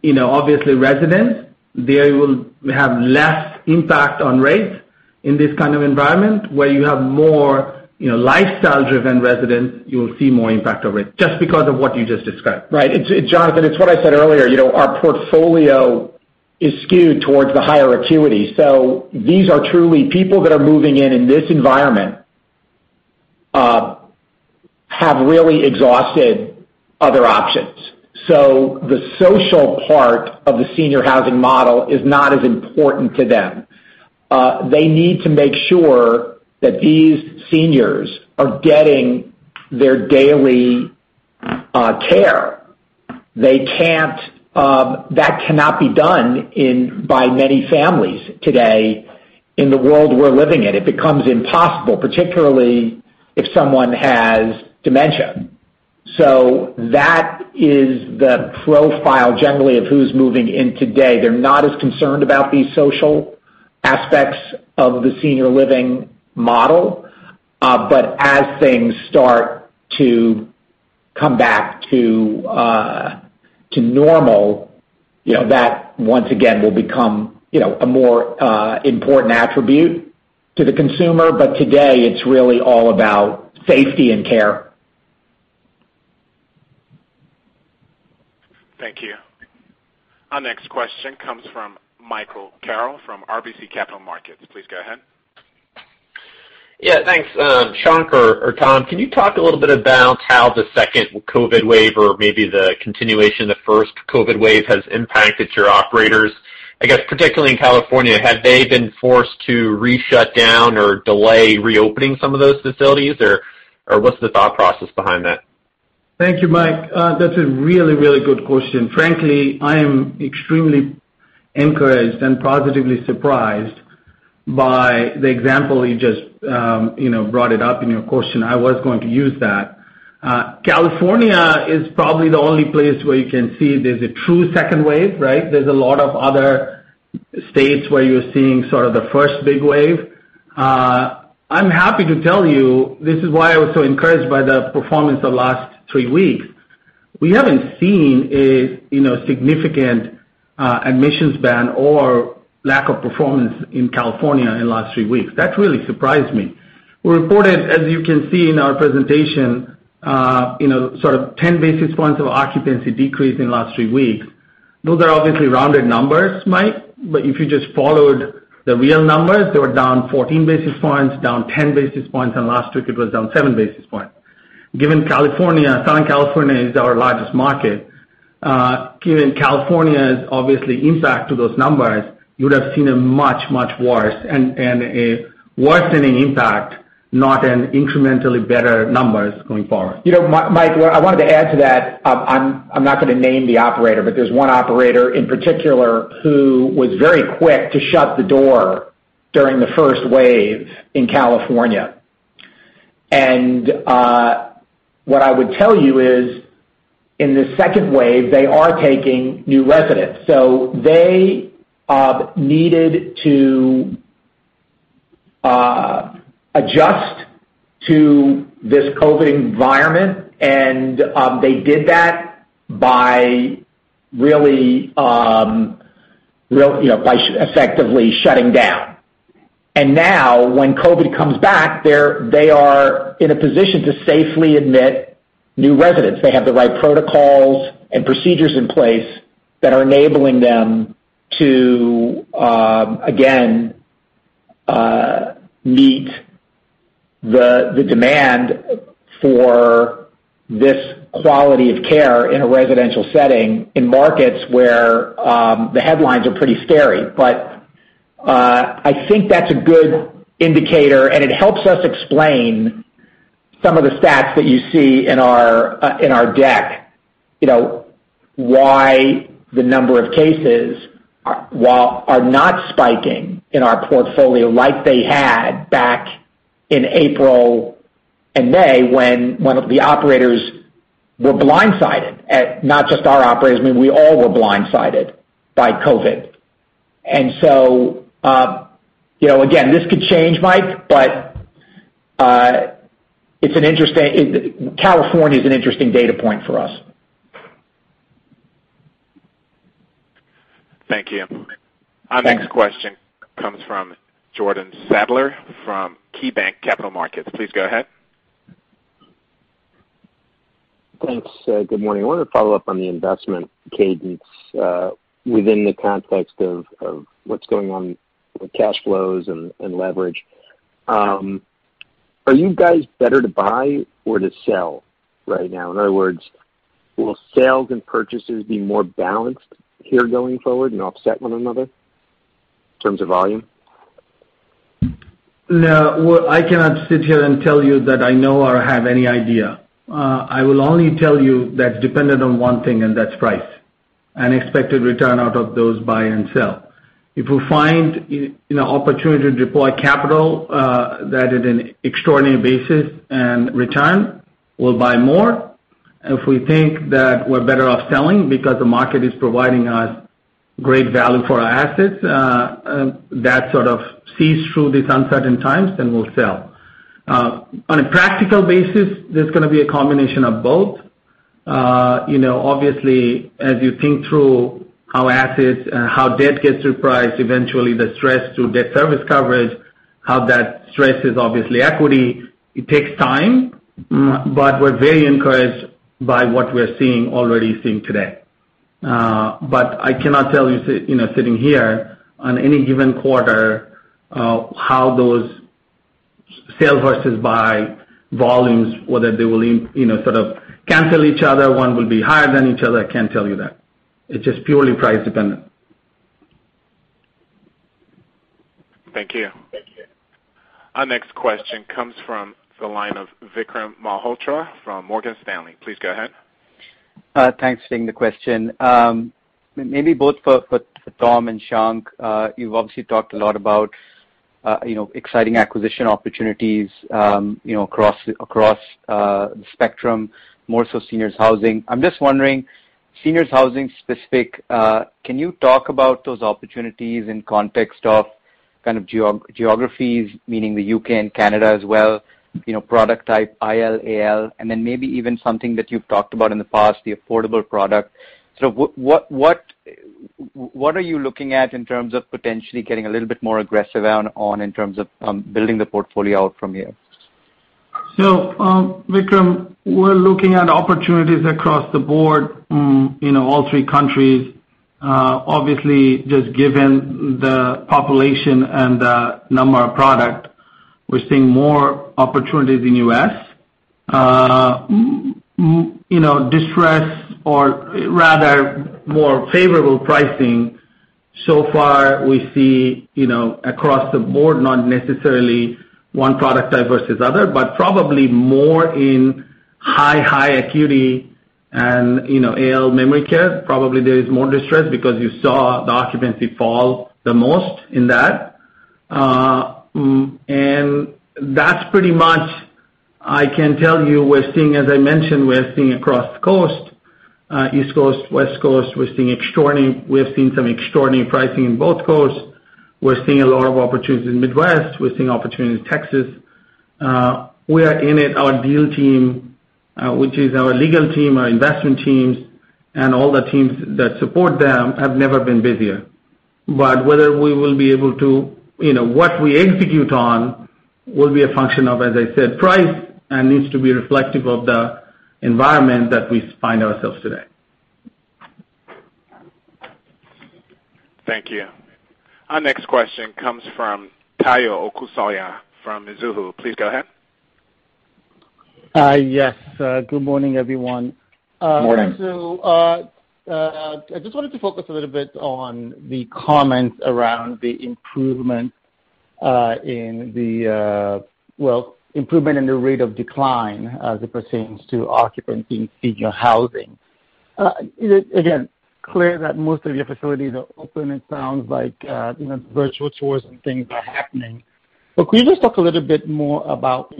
residents, they will have less impact on rates in this kind of environment. Where you have more lifestyle-driven residents, you will see more impact of rates, just because of what you just described. Jonathan, it's what I said earlier. Our portfolio is skewed towards the higher acuity. These are truly people that are moving in in this environment have really exhausted other options. The social part of the senior housing model is not as important to them. They need to make sure that these seniors are getting their daily care. That cannot be done by many families today in the world we're living in. It becomes impossible, particularly if someone has dementia. That is the profile generally of who's moving in today. They're not as concerned about these social aspects of the senior living model. As things start to come back to normal, that once again will become a more important attribute to the consumer. Today it's really all about safety and care. Thank you. Our next question comes from Michael Carroll from RBC Capital Markets. Please go ahead. Yeah, thanks. Shankh or Tom, can you talk a little bit about how the second COVID wave or maybe the continuation of the first COVID wave has impacted your operators? I guess particularly in California, had they been forced to re-shut down or delay reopening some of those facilities or what's the thought process behind that? Thank you, Mike. That's a really good question. I am extremely encouraged and positively surprised by the example you just brought it up in your question. I was going to use that. California is probably the only place where you can see there's a true second wave, right? There's a lot of other states where you're seeing sort of the first big wave. I'm happy to tell you, this is why I was so encouraged by the performance the last three weeks. We haven't seen a significant admissions ban or lack of performance in California in the last three weeks. That really surprised me. We reported, as you can see in our presentation, sort of 10 basis points of occupancy decrease in the last three weeks. Those are obviously rounded numbers, Michael, but if you just followed the real numbers, they were down 14 basis points, down 10 basis points, and last week it was down seven basis points. Given California, Southern California is our largest market. Given California's obviously impact to those numbers, you would've seen a much worse and a worsening impact, not an incrementally better numbers going forward. Mike, what I wanted to add to that, I'm not going to name the operator, there's one operator in particular who was very quick to shut the door during the first wave in California. What I would tell you is, in the second wave, they are taking new residents. They needed to adjust to this COVID environment, and they did that by effectively shutting down. Now when COVID comes back, they are in a position to safely admit new residents. They have the right protocols and procedures in place that are enabling them to, again, meet the demand for this quality of care in a residential setting in markets where the headlines are pretty scary. I think that's a good indicator, and it helps us explain some of the stats that you see in our deck. Why the number of cases are not spiking in our portfolio like they had back in April and May when the operators were blindsided. Not just our operators, we all were blindsided by COVID. Again, this could change Mike, but California's an interesting data point for us. Thank you. Our next question comes from Jordan Sadler from KeyBanc Capital Markets. Please go ahead. Thanks. Good morning. I wanted to follow up on the investment cadence, within the context of what's going on with cash flows and leverage. Are you guys better to buy or to sell right now? In other words, will sales and purchases be more balanced here going forward and offset one another in terms of volume? No. Well, I cannot sit here and tell you that I know or have any idea. I will only tell you that's dependent on one thing, that's price and expected return out of those buy and sell. If we find an opportunity to deploy capital, that at an extraordinary basis and return, we'll buy more. If we think that we're better off selling because the market is providing us great value for our assets, that sort of sees through these uncertain times, we'll sell. On a practical basis, there's going to be a combination of both. Obviously as you think through how assets and how debt gets repriced, eventually the stress to debt service coverage, how that stress is obviously equity. It takes time, we're very encouraged by what we're seeing already seeing today. I cannot tell you sitting here on any given quarter, how those sell versus buy volumes, whether they will sort of cancel each other, one will be higher than each other. I can't tell you that. It's just purely price dependent. Thank you. Our next question comes from the line of Vikram Malhotra from Morgan Stanley. Please go ahead. Thanks for taking the question. Maybe both for Tom and Shankh. You've obviously talked a lot about exciting acquisition opportunities across the spectrum, more so seniors housing. I'm just wondering, seniors housing specific, can you talk about those opportunities in context of geographies, meaning the U.K. and Canada as well, product type IL/AL, and then maybe even something that you've talked about in the past, the affordable product. What are you looking at in terms of potentially getting a little bit more aggressive on in terms of building the portfolio out from here? Vikram, we're looking at opportunities across the board, all three countries. Obviously, just given the population and the number of product, we're seeing more opportunities in U.S. Distress or rather more favorable pricing so far we see across the board, not necessarily one product type versus other, but probably more in high acuity and AL memory care. Probably there is more distress because you saw the occupancy fall the most in that. That's pretty much I can tell you we're seeing, as I mentioned, we're seeing across coast, East Coast, West Coast. We have seen some extraordinary pricing in both coasts. We're seeing a lot of opportunities in Midwest. We're seeing opportunities in Texas. We are in it. Our deal team, which is our legal team, our investment teams, and all the teams that support them, have never been busier. What we execute on will be a function of, as I said, price, and needs to be reflective of the environment that we find ourselves today. Thank you. Our next question comes from Tayo Okusanya from Mizuho. Please go ahead. Yes. Good morning, everyone. Morning. I just wanted to focus a little bit on the comments around the improvement in the rate of decline as it pertains to occupancy in senior housing. Again, clear that most of your facilities are open. It sounds like virtual tours and things are happening. Could you just talk a little bit more about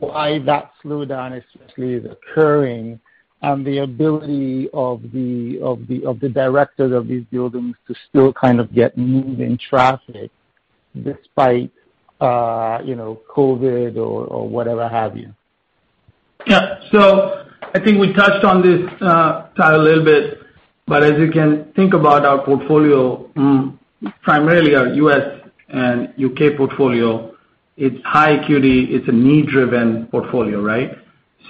why that slowdown especially is occurring and the ability of the directors of these buildings to still kind of get movement traffic despite COVID or whatever have you? I think we touched on this, Tayo, a little bit, but as you can think about our portfolio, primarily our U.S. and U.K. portfolio, it's high acuity, it's a need-driven portfolio, right?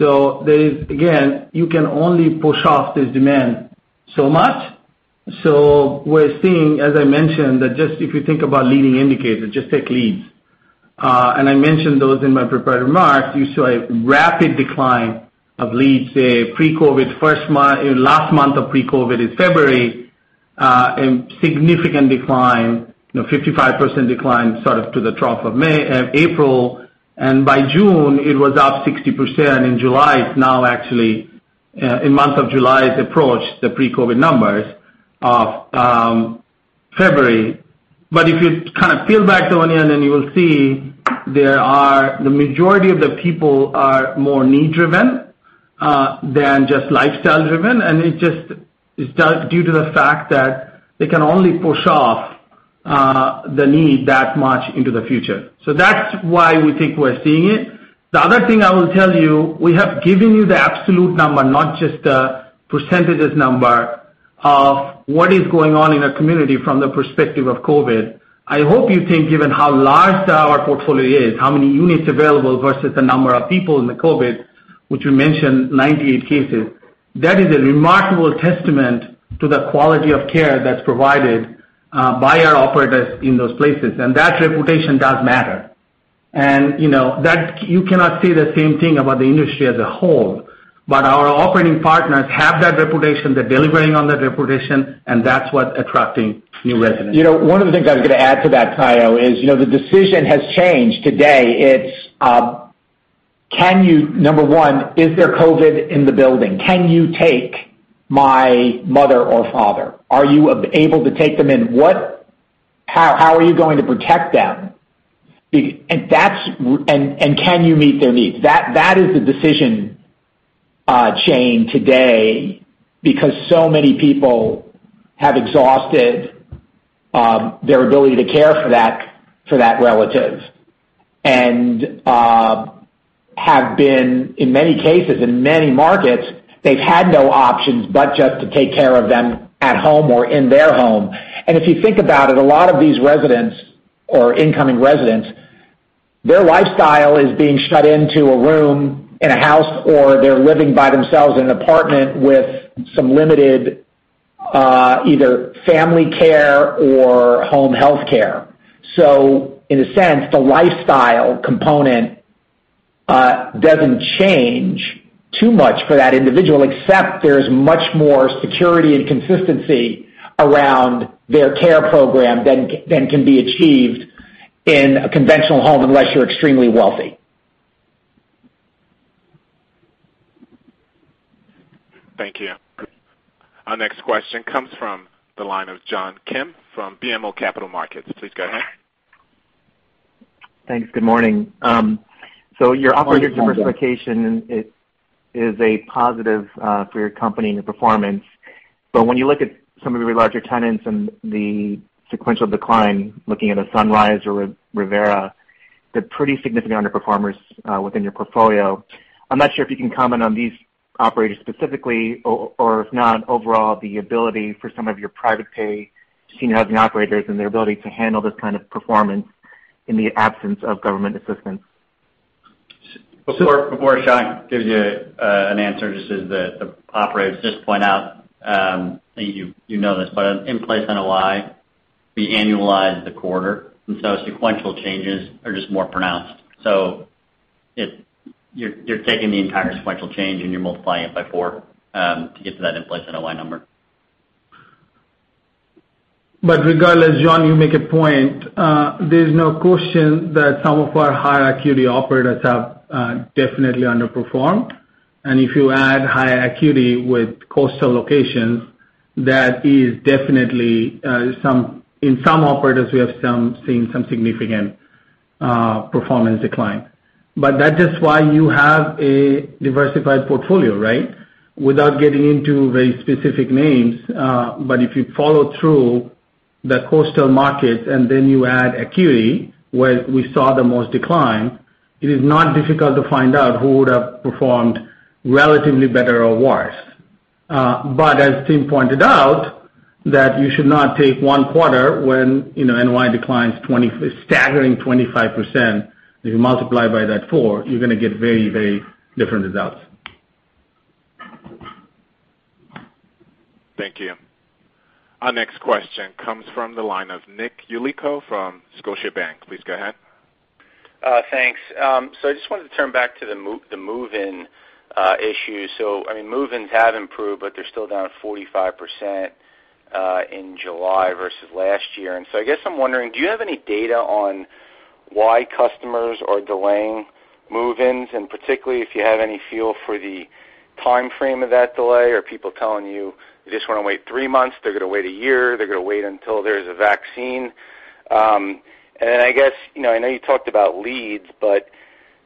Again, you can only push off this demand so much. We're seeing, as I mentioned, that just if you think about leading indicators, just take leads. I mentioned those in my prepared remarks. You saw a rapid decline of leads, say, last month of pre-COVID in February, and significant decline, 55% decline sort of to the trough of April. By June, it was up 60%, and in month of July, it approached the pre-COVID numbers of February. If you kind of peel back the onion, then you will see the majority of the people are more need-driven than just lifestyle-driven. It's just due to the fact that they can only push off the need that much into the future. That's why we think we're seeing it. The other thing I will tell you, we have given you the absolute number, not just the percentages number of what is going on in a community from the perspective of COVID. I hope you think given how large our portfolio is, how many units available versus the number of people in the COVID, which we mentioned 98 cases, that is a remarkable testament to the quality of care that's provided by our operators in those places, and that reputation does matter. You cannot say the same thing about the industry as a whole, but our operating partners have that reputation. They're delivering on that reputation, and that's what attracting new residents. One of the things I was going to add to that, Tayo, is the decision has changed. Today, it's number one, is there COVID in the building? Can you take my mother or father? Are you able to take them in? How are you going to protect them? Can you meet their needs? That is the decision chain today because so many people have exhausted their ability to care for that relative and have been, in many cases, in many markets, they've had no options but just to take care of them at home or in their home. If you think about it, a lot of these residents or incoming residents, their lifestyle is being shut into a room in a house, or they're living by themselves in an apartment with some limited, either family care or home health care. In a sense, the lifestyle component doesn't change too much for that individual, except there's much more security and consistency around their care program than can be achieved in a conventional home unless you're extremely wealthy. Thank you. Our next question comes from the line of John Kim from BMO Capital Markets. Please go ahead. Thanks. Good morning. Your operator diversification is a positive for your company and your performance. When you look at some of your larger tenants and the sequential decline, looking at a Sunrise or a Revera, they're pretty significant underperformers within your portfolio. I'm not sure if you can comment on these operators specifically, or if not, overall, the ability for some of your private pay senior housing operators and their ability to handle this kind of performance in the absence of government assistance. Before Shankh gives you an answer just to the operators, just point out, you know this, but an in-place NOI, we annualize the quarter, and so sequential changes are just more pronounced. You're taking the entire sequential change, and you're multiplying it by four to get to that in-place NOI number. Regardless, John, you make a point. There's no question that some of our higher acuity operators have definitely underperformed. If you add higher acuity with coastal locations, that is definitely in some operators, we have seen some significant performance decline. That is why you have a diversified portfolio, right? Without getting into very specific names, but if you follow through the coastal markets, and then you add acuity, where we saw the most decline, it is not difficult to find out who would have performed relatively better or worse. As Tim pointed out, that you should not take one quarter when NOI declines a staggering 25%, if you multiply by that four, you're going to get very different results. Thank you. Our next question comes from the line of Nick Yulico from Scotiabank. Please go ahead. Thanks. I just wanted to turn back to the move-in issue. Move-ins have improved, but they're still down 45% in July versus last year. I guess I'm wondering, do you have any data on why customers are delaying move-ins, and particularly if you have any feel for the timeframe of that delay, or are people telling you they just want to wait three months, they're going to wait a year, they're going to wait until there's a vaccine? I guess, I know you talked about leads, but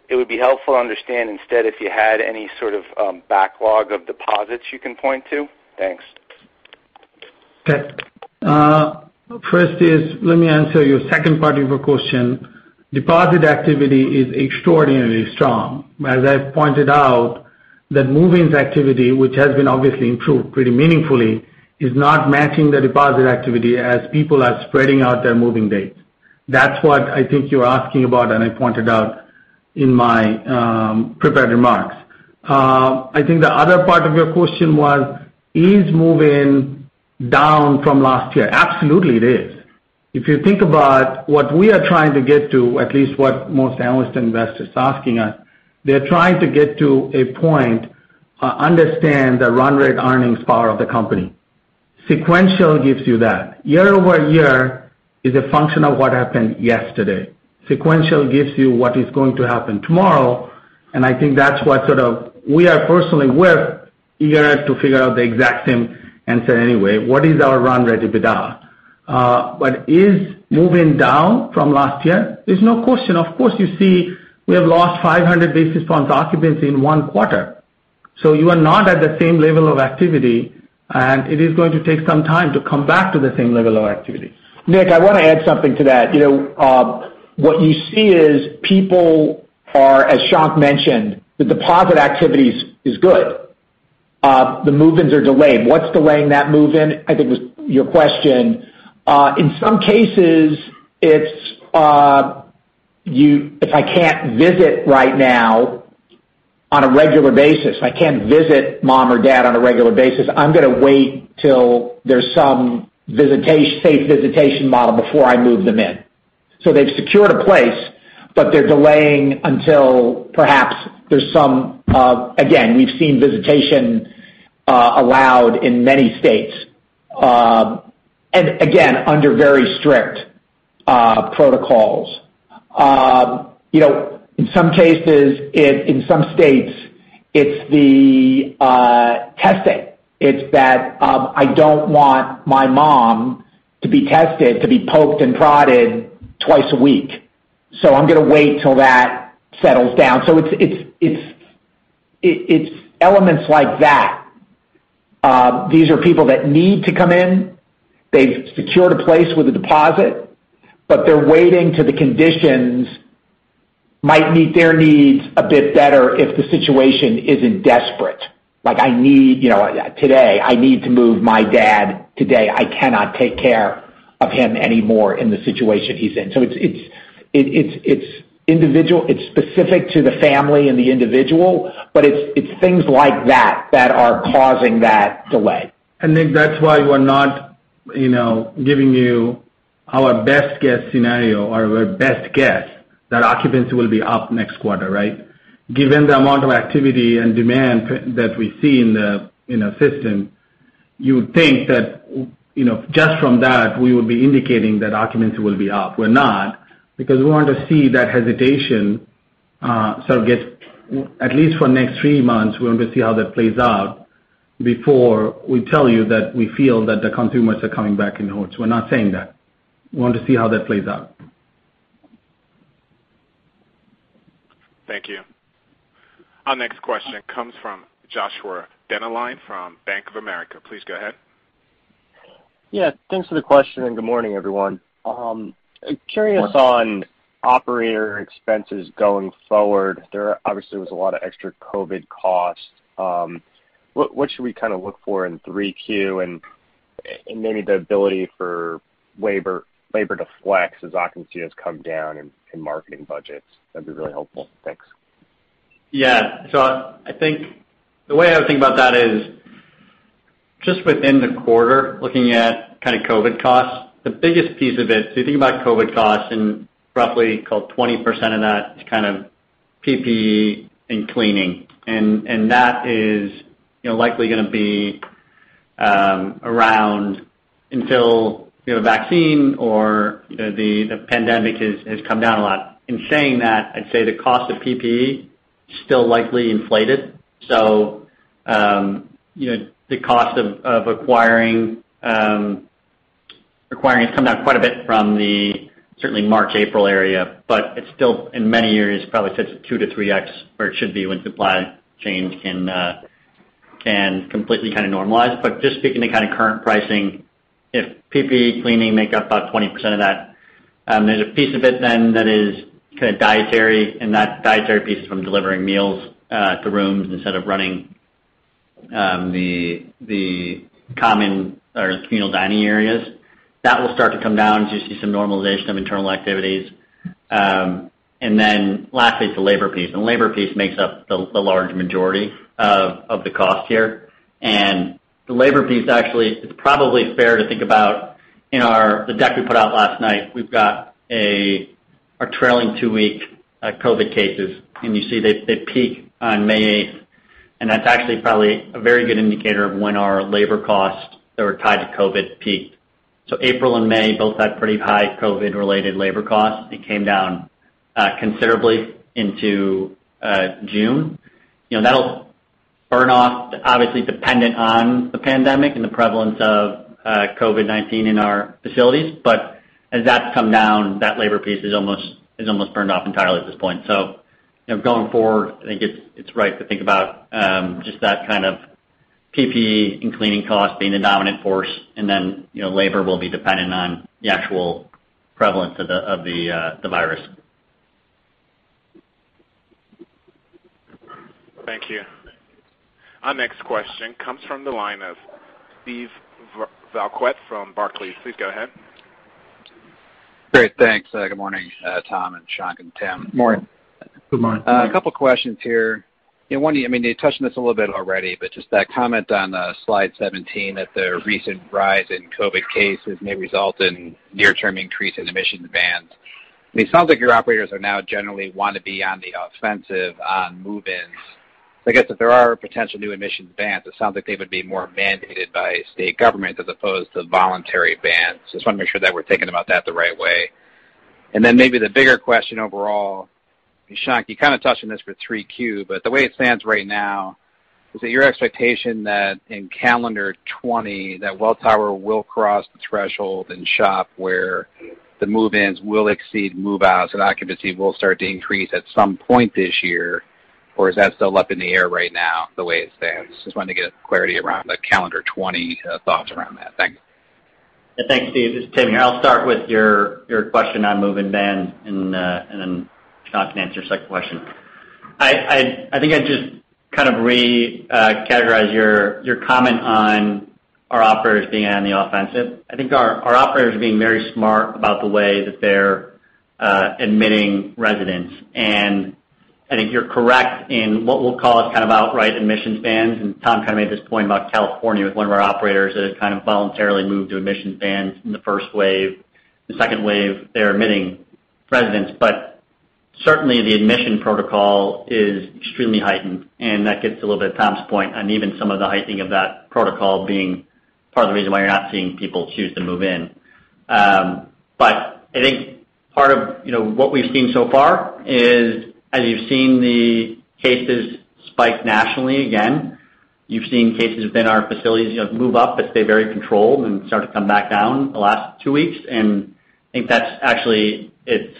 it would be helpful to understand instead if you had any sort of backlog of deposits you can point to. Thanks. First is, let me answer your second part of your question. Deposit activity is extraordinarily strong. I pointed out, that move-ins activity, which has been obviously improved pretty meaningfully, is not matching the deposit activity as people are spreading out their moving dates. That's what I think you're asking about, and I pointed out in my prepared remarks. I think the other part of your question was, is move-in down from last year? Absolutely, it is. If you think about what we are trying to get to, at least what most analysts and investors are asking us, they're trying to get to a point, understand the run rate earnings power of the company. Sequential gives you that. Year-over-year is a function of what happened yesterday. Sequential gives you what is going to happen tomorrow. I think that's what sort of, we are personally, we're eager to figure out the exact same answer anyway. What is our run rate EBITDA? Is move-in down from last year? There's no question. Of course, you see we have lost 500 basis points occupancy in one quarter. You are not at the same level of activity, and it is going to take some time to come back to the same level of activity. Nick, I want to add something to that. What you see is people are, as Shankh mentioned, the deposit activity is good. The move-ins are delayed. What's delaying that move-in, I think was your question. In some cases, if I can't visit right now on a regular basis, I can't visit mom or dad on a regular basis, I'm going to wait till there's some safe visitation model before I move them in. They've secured a place, but they're delaying until perhaps there's some, again, we've seen visitation allowed in many states, and again, under very strict protocols. In some cases, in some states, it's the testing. It's that, I don't want my mom to be tested, to be poked and prodded twice a week. I'm going to wait till that settles down. It's elements like that. These are people that need to come in. They've secured a place with a deposit, but they're waiting till the conditions might meet their needs a bit better if the situation isn't desperate. Like, today, I need to move my dad today. I cannot take care of him anymore in the situation he's in. It's individual, it's specific to the family and the individual, but it's things like that that are causing that delay. Nick, that's why we're not giving you our best guess scenario or our best guess that occupancy will be up next quarter, right? Given the amount of activity and demand that we see in the system, you would think that just from that, we would be indicating that occupancy will be up. We're not, because we want to see that hesitation sort of get, at least for next three months, we want to see how that plays out before we tell you that we feel that the consumers are coming back in hordes. We're not saying that. We want to see how that plays out. Thank you. Our next question comes from Joshua Dennerlein from Bank of America. Please go ahead. Yeah, thanks for the question, and good morning, everyone. Curious on operator expenses going forward. There obviously was a lot of extra COVID costs. What should we kind of look for in Q3 and maybe the ability for labor to flex as occupancy has come down in marketing budgets? That'd be really helpful. Thanks. Yeah. I think the way I would think about that is just within the quarter, looking at kind of COVID costs, the biggest piece of it, you think about COVID costs and roughly call 20% of that is kind of PPE and cleaning. That is likely going to be around until vaccine or the pandemic has come down a lot. In saying that, I'd say the cost of PPE is still likely inflated. The cost of acquiring has come down quite a bit from the certainly March, April area, but it's still in many areas, probably 2x to 3x where it should be when supply chains can completely kind of normalize. Just speaking to kind of current pricing, if PPE cleaning make up about 20% of that, there's a piece of it then that is kind of dietary, and that dietary piece is from delivering meals to rooms instead of running the common or communal dining areas. That will start to come down as you see some normalization of internal activities. Lastly, it's the labor piece, and the labor piece makes up the large majority of the cost here. The labor piece, actually, it's probably fair to think about in the deck we put out last night, we've got a trailing two-week COVID cases, and you see they peak on May 8th. That's actually probably a very good indicator of when our labor costs that were tied to COVID peaked. April and May both had pretty high COVID-related labor costs. It came down considerably into June. That'll burn off, obviously dependent on the pandemic and the prevalence of COVID-19 in our facilities. As that's come down, that labor piece is almost burned off entirely at this point. Going forward, I think it's right to think about just that kind of PPE and cleaning costs being the dominant force, and then labor will be dependent on the actual prevalence of the virus. Thank you. Our next question comes from the line of Steve Valiquette from Barclays. Please go ahead. Great. Thanks. Good morning, Tom and Shankh and Tim. Morning. Good morning. A couple questions here. One, you touched on this a little bit already, but just that comment on slide 17 that the recent rise in COVID cases may result in near-term increase in admission bans. It sounds like your operators are now generally want to be on the offensive on move-ins. I guess if there are potential new admission bans, it sounds like they would be more mandated by state government as opposed to voluntary bans. Just want to make sure that we're thinking about that the right way. Then maybe the bigger question overall, Shankh, you kind of touched on this for Q3, but the way it stands right now, is it your expectation that in calendar 2020, that Welltower will cross the threshold and SHOP where the move-ins will exceed move-outs and occupancy will start to increase at some point this year? Is that still up in the air right now the way it stands? Just wanted to get clarity around the calendar 2020 thoughts around that. Thanks. Thanks, Steve. This is Tim here. I'll start with your question on move-in bans. Shankh can answer the second question. I think I'd just kind of recategorize your comment on our operators being on the offensive. I think our operators are being very smart about the way that they're admitting residents. I think you're correct in what we'll call is kind of outright admissions bans. Tom kind of made this point about California with one of our operators that has kind of voluntarily moved to admissions bans in the first wave. The second wave, they're admitting residents, but certainly the admission protocol is extremely heightened, and that gets a little bit to Tom's point on even some of the heightening of that protocol being part of the reason why you're not seeing people choose to move in. I think part of what we've seen so far is as you've seen the cases spike nationally again, you've seen cases within our facilities move up but stay very controlled and start to come back down the last two weeks. I think that's actually, it's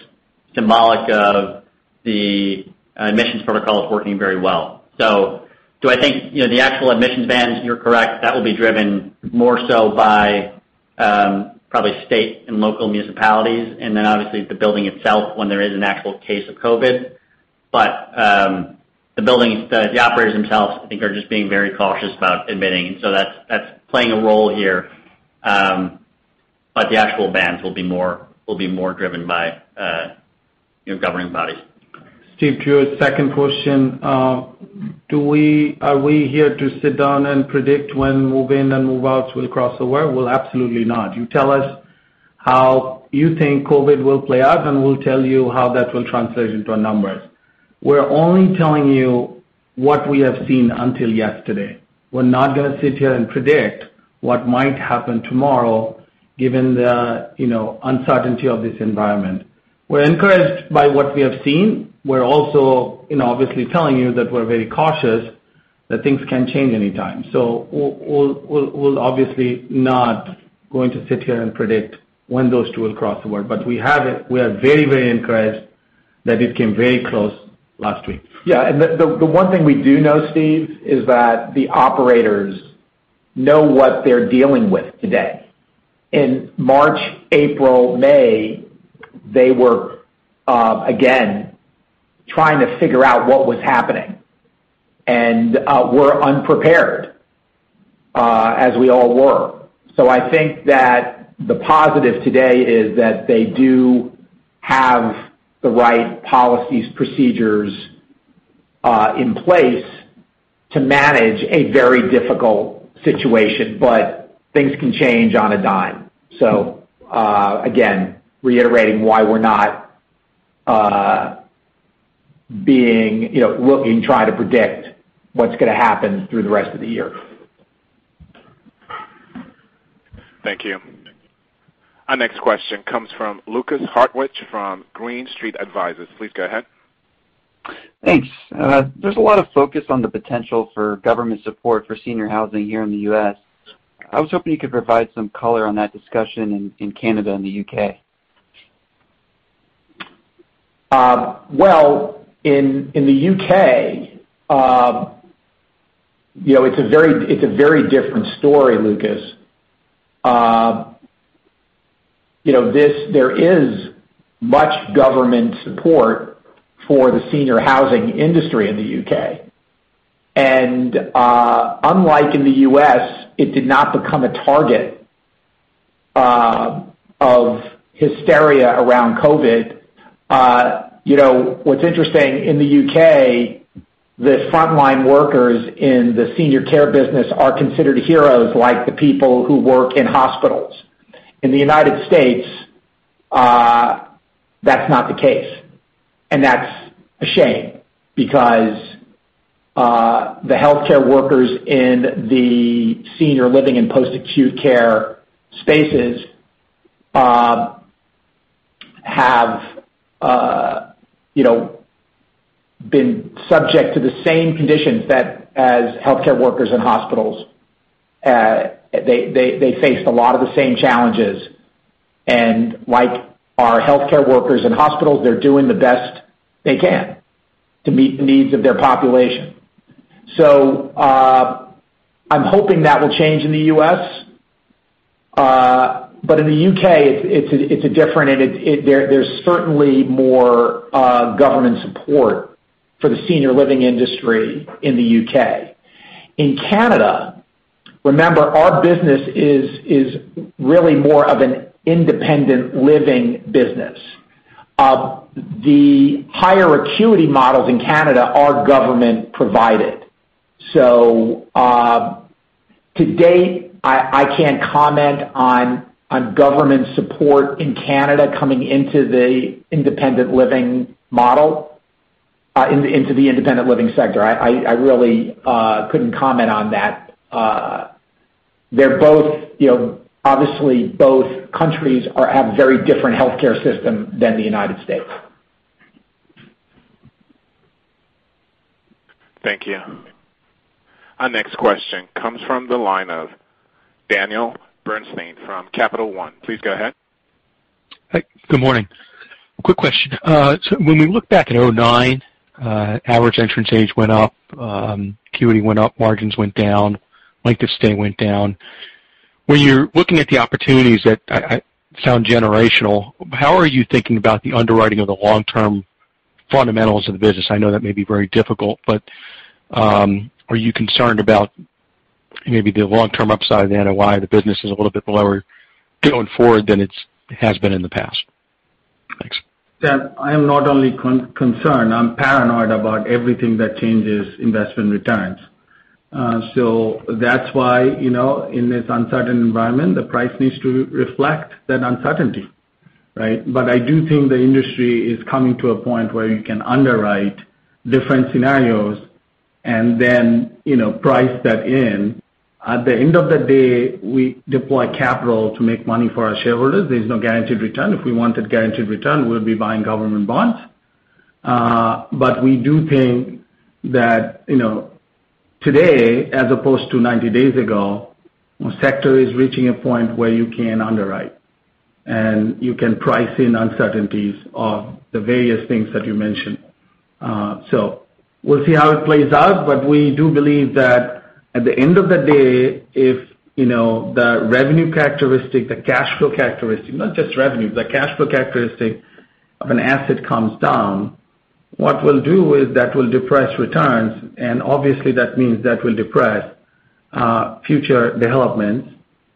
symbolic of the admissions protocols working very well. Do I think, the actual admissions bans, you're correct, that will be driven more so by probably state and local municipalities, and then obviously the building itself when there is an actual case of COVID. The operators themselves, I think, are just being very cautious about admitting. That's playing a role here, but the actual bans will be more driven by governing bodies. Steve, to your second question, are we here to sit down and predict when move-in and move-outs will cross over? Well, absolutely not. You tell us how you think COVID will play out, and we'll tell you how that will translate into our numbers. We're only telling you what we have seen until yesterday. We're not going to sit here and predict what might happen tomorrow, given the uncertainty of this environment. We're encouraged by what we have seen. We're also obviously telling you that we're very cautious, that things can change anytime. We'll obviously not going to sit here and predict when those two will cross over. We are very encouraged that it came very close last week. Yeah. The one thing we do know, Steve, is that the operators know what they're dealing with today. In March, April, May, they were, again, trying to figure out what was happening and were unprepared, as we all were. I think that the positive today is that they do have the right policies, procedures in place to manage a very difficult situation, but things can change on a dime. Again, reiterating why we're not looking, trying to predict what's going to happen through the rest of the year. Thank you. Our next question comes from Lukas Hartwich from Green Street Advisors. Please go ahead. Thanks. There's a lot of focus on the potential for government support for senior housing here in the U.S. I was hoping you could provide some color on that discussion in Canada and the U.K. Well, in the U.K., it's a very different story, Lukas. There is much government support for the senior housing industry in the U.K. Unlike in the U.S., it did not become a target of hysteria around COVID. What's interesting in the U.K., the frontline workers in the senior care business are considered heroes, like the people who work in hospitals. In the United States, that's not the case, and that's a shame because the healthcare workers in the senior living and post-acute care spaces have been subject to the same conditions as healthcare workers in hospitals. They faced a lot of the same challenges. Like our healthcare workers in hospitals, they're doing the best they can to meet the needs of their population. I'm hoping that will change in the U.S. In the U.K., it's different, and there's certainly more government support for the senior living industry in the U.K. In Canada, remember, our business is really more of an independent living business. The higher acuity models in Canada are government provided. To date, I can't comment on government support in Canada coming into the independent living model, into the independent living sector. I really couldn't comment on that. Obviously, both countries have very different healthcare system than the United States. Thank you. Our next question comes from the line of Daniel Bernstein from Capital One. Please go ahead. Hi. Good morning. Quick question. When we look back at 2009, average entrance age went up, acuity went up, margins went down, length of stay went down. When you're looking at the opportunities that sound generational, how are you thinking about the underwriting of the long-term fundamentals of the business? I know that may be very difficult, but, are you concerned about maybe the long-term upside of the NOI, the business is a little bit lower going forward than it has been in the past? Thanks. Dan, I am not only concerned, I'm paranoid about everything that changes investment returns. That's why, in this uncertain environment, the price needs to reflect that uncertainty, right? I do think the industry is coming to a point where you can underwrite different scenarios and then price that in. At the end of the day, we deploy capital to make money for our shareholders. There's no guaranteed return. If we wanted guaranteed return, we would be buying government bonds. We do think that today, as opposed to 90 days ago, the sector is reaching a point where you can underwrite and you can price in uncertainties of the various things that you mentioned. We'll see how it plays out, but we do believe that at the end of the day, if the revenue characteristic, the cash flow characteristic, not just revenue, the cash flow characteristic of an asset comes down, what we'll do is that will depress returns, and obviously that means that will depress future developments.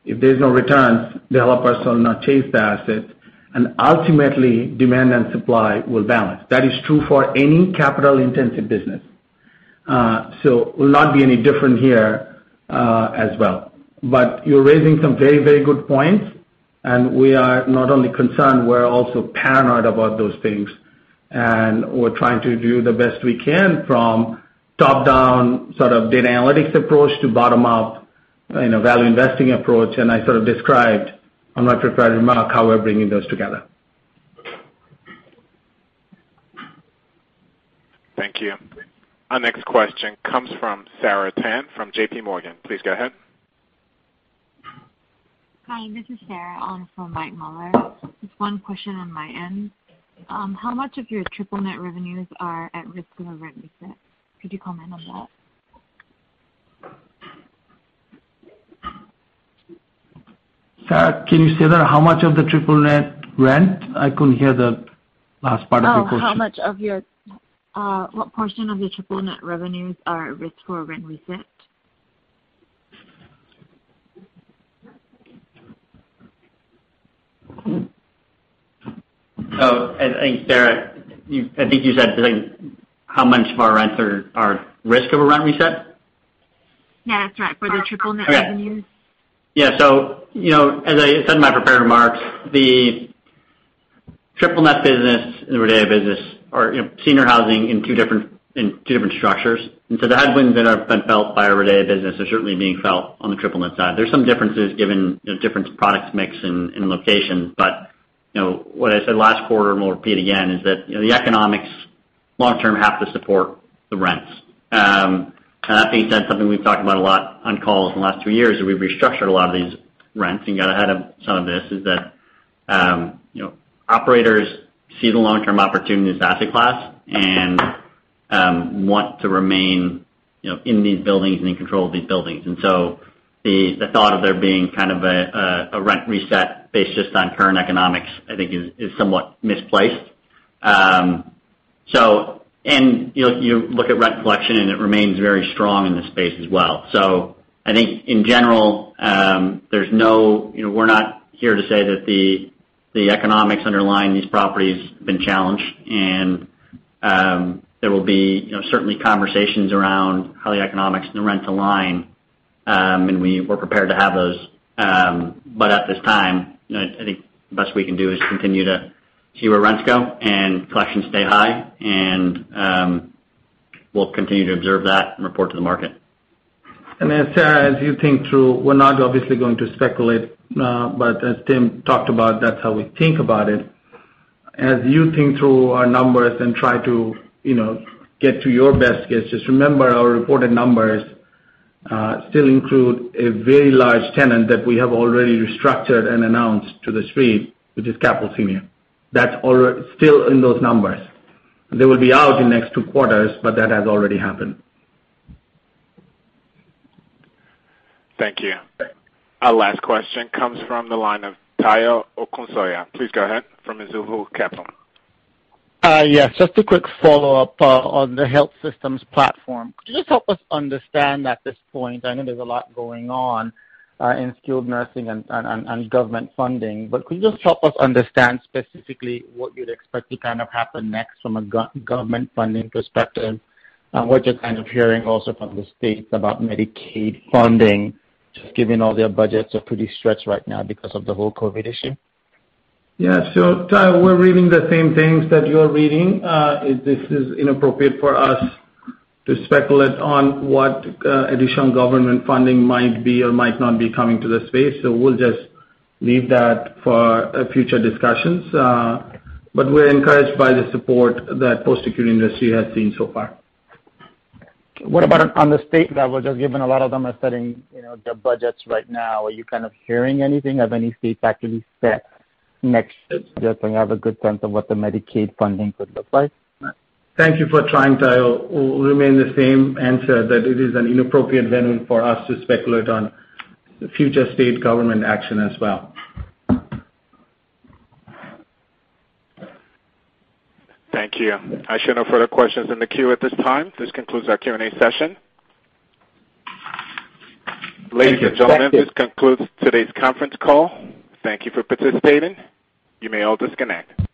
If there's no returns, developers will not chase the assets, and ultimately demand and supply will balance. That is true for any capital-intensive business. It will not be any different here as well. You're raising some very good points, and we are not only concerned, we're also paranoid about those things. We're trying to do the best we can from top-down sort of data analytics approach to bottom-up value investing approach. I sort of described on my prepared remark how we're bringing those together. Thank you. Our next question comes from Sarah Tan from JPMorgan. Please go ahead. Hi, this is Sarah on for Mike Mueller. Just one question on my end. How much of your triple net revenues are at risk of a rent reset? Could you comment on that? Sarah, can you say that how much of the triple net rent? I couldn't hear the last part of your question. Oh, what portion of your triple net revenues are at risk for a rent reset? Oh, I think, Sarah, I think you said how much of our rents are risk of a rent reset? Yeah, that's right. For the triple net revenues. Yeah. As I said in my prepared remarks, the triple net business and the RIDEA business are senior housing in two different structures. The headwinds that have been felt by our RIDEA business are certainly being felt on the triple net side. There's some differences given different products mix and locations. What I said last quarter, and we'll repeat again, is that the economics long term have to support the rents. I think that's something we've talked about a lot on calls in the last two years, and we've restructured a lot of these rents and got ahead of some of this, is that operators see the long-term opportunity as an asset class and want to remain in these buildings and in control of these buildings. The thought of there being kind of a rent reset based just on current economics, I think is somewhat misplaced. You look at rent collection, and it remains very strong in this space as well. I think in general, we're not here to say that the economics underlying these properties have been challenged. There will be certainly conversations around how the economics and the rent align, and we're prepared to have those. At this time, I think the best we can do is continue to see where rents go and collections stay high, and we'll continue to observe that and report to the market. Sarah, as you think through, we're not obviously going to speculate, but as Tim talked about, that's how we think about it. As you think through our numbers and try to get to your best guesses, remember our reported numbers still include a very large tenant that we have already restructured and announced to The Street, which is Capital Senior. That's still in those numbers. They will be out in the next two quarters, but that has already happened. Thank you. Our last question comes from the line of Tayo Okusanya. Please go ahead from Mizuho Capital. Yes, just a quick follow-up on the health systems platform. Could you just help us understand at this point, I know there's a lot going on in skilled nursing and government funding, but could you just help us understand specifically what you'd expect to kind of happen next from a government funding perspective? We're just kind of hearing also from the states about Medicaid funding, just given all their budgets are pretty stretched right now because of the whole COVID issue. Tayo, we're reading the same things that you're reading. This is inappropriate for us to speculate on what additional government funding might be or might not be coming to the space. We'll just leave that for future discussions. We're encouraged by the support that post-acute industry has seen so far. What about on the state level? Just given a lot of them are setting their budgets right now, are you kind of hearing anything of any state factors set next steps, just so we have a good sense of what the Medicaid funding could look like? Thank you for trying, Tayo. We'll remain the same answer that it is an inappropriate venue for us to speculate on future state government action as well. Thank you. I show no further questions in the queue at this time. This concludes our Q&A session. Ladies and gentlemen. Thank you. -this concludes today's conference call. Thank you for participating. You may all disconnect.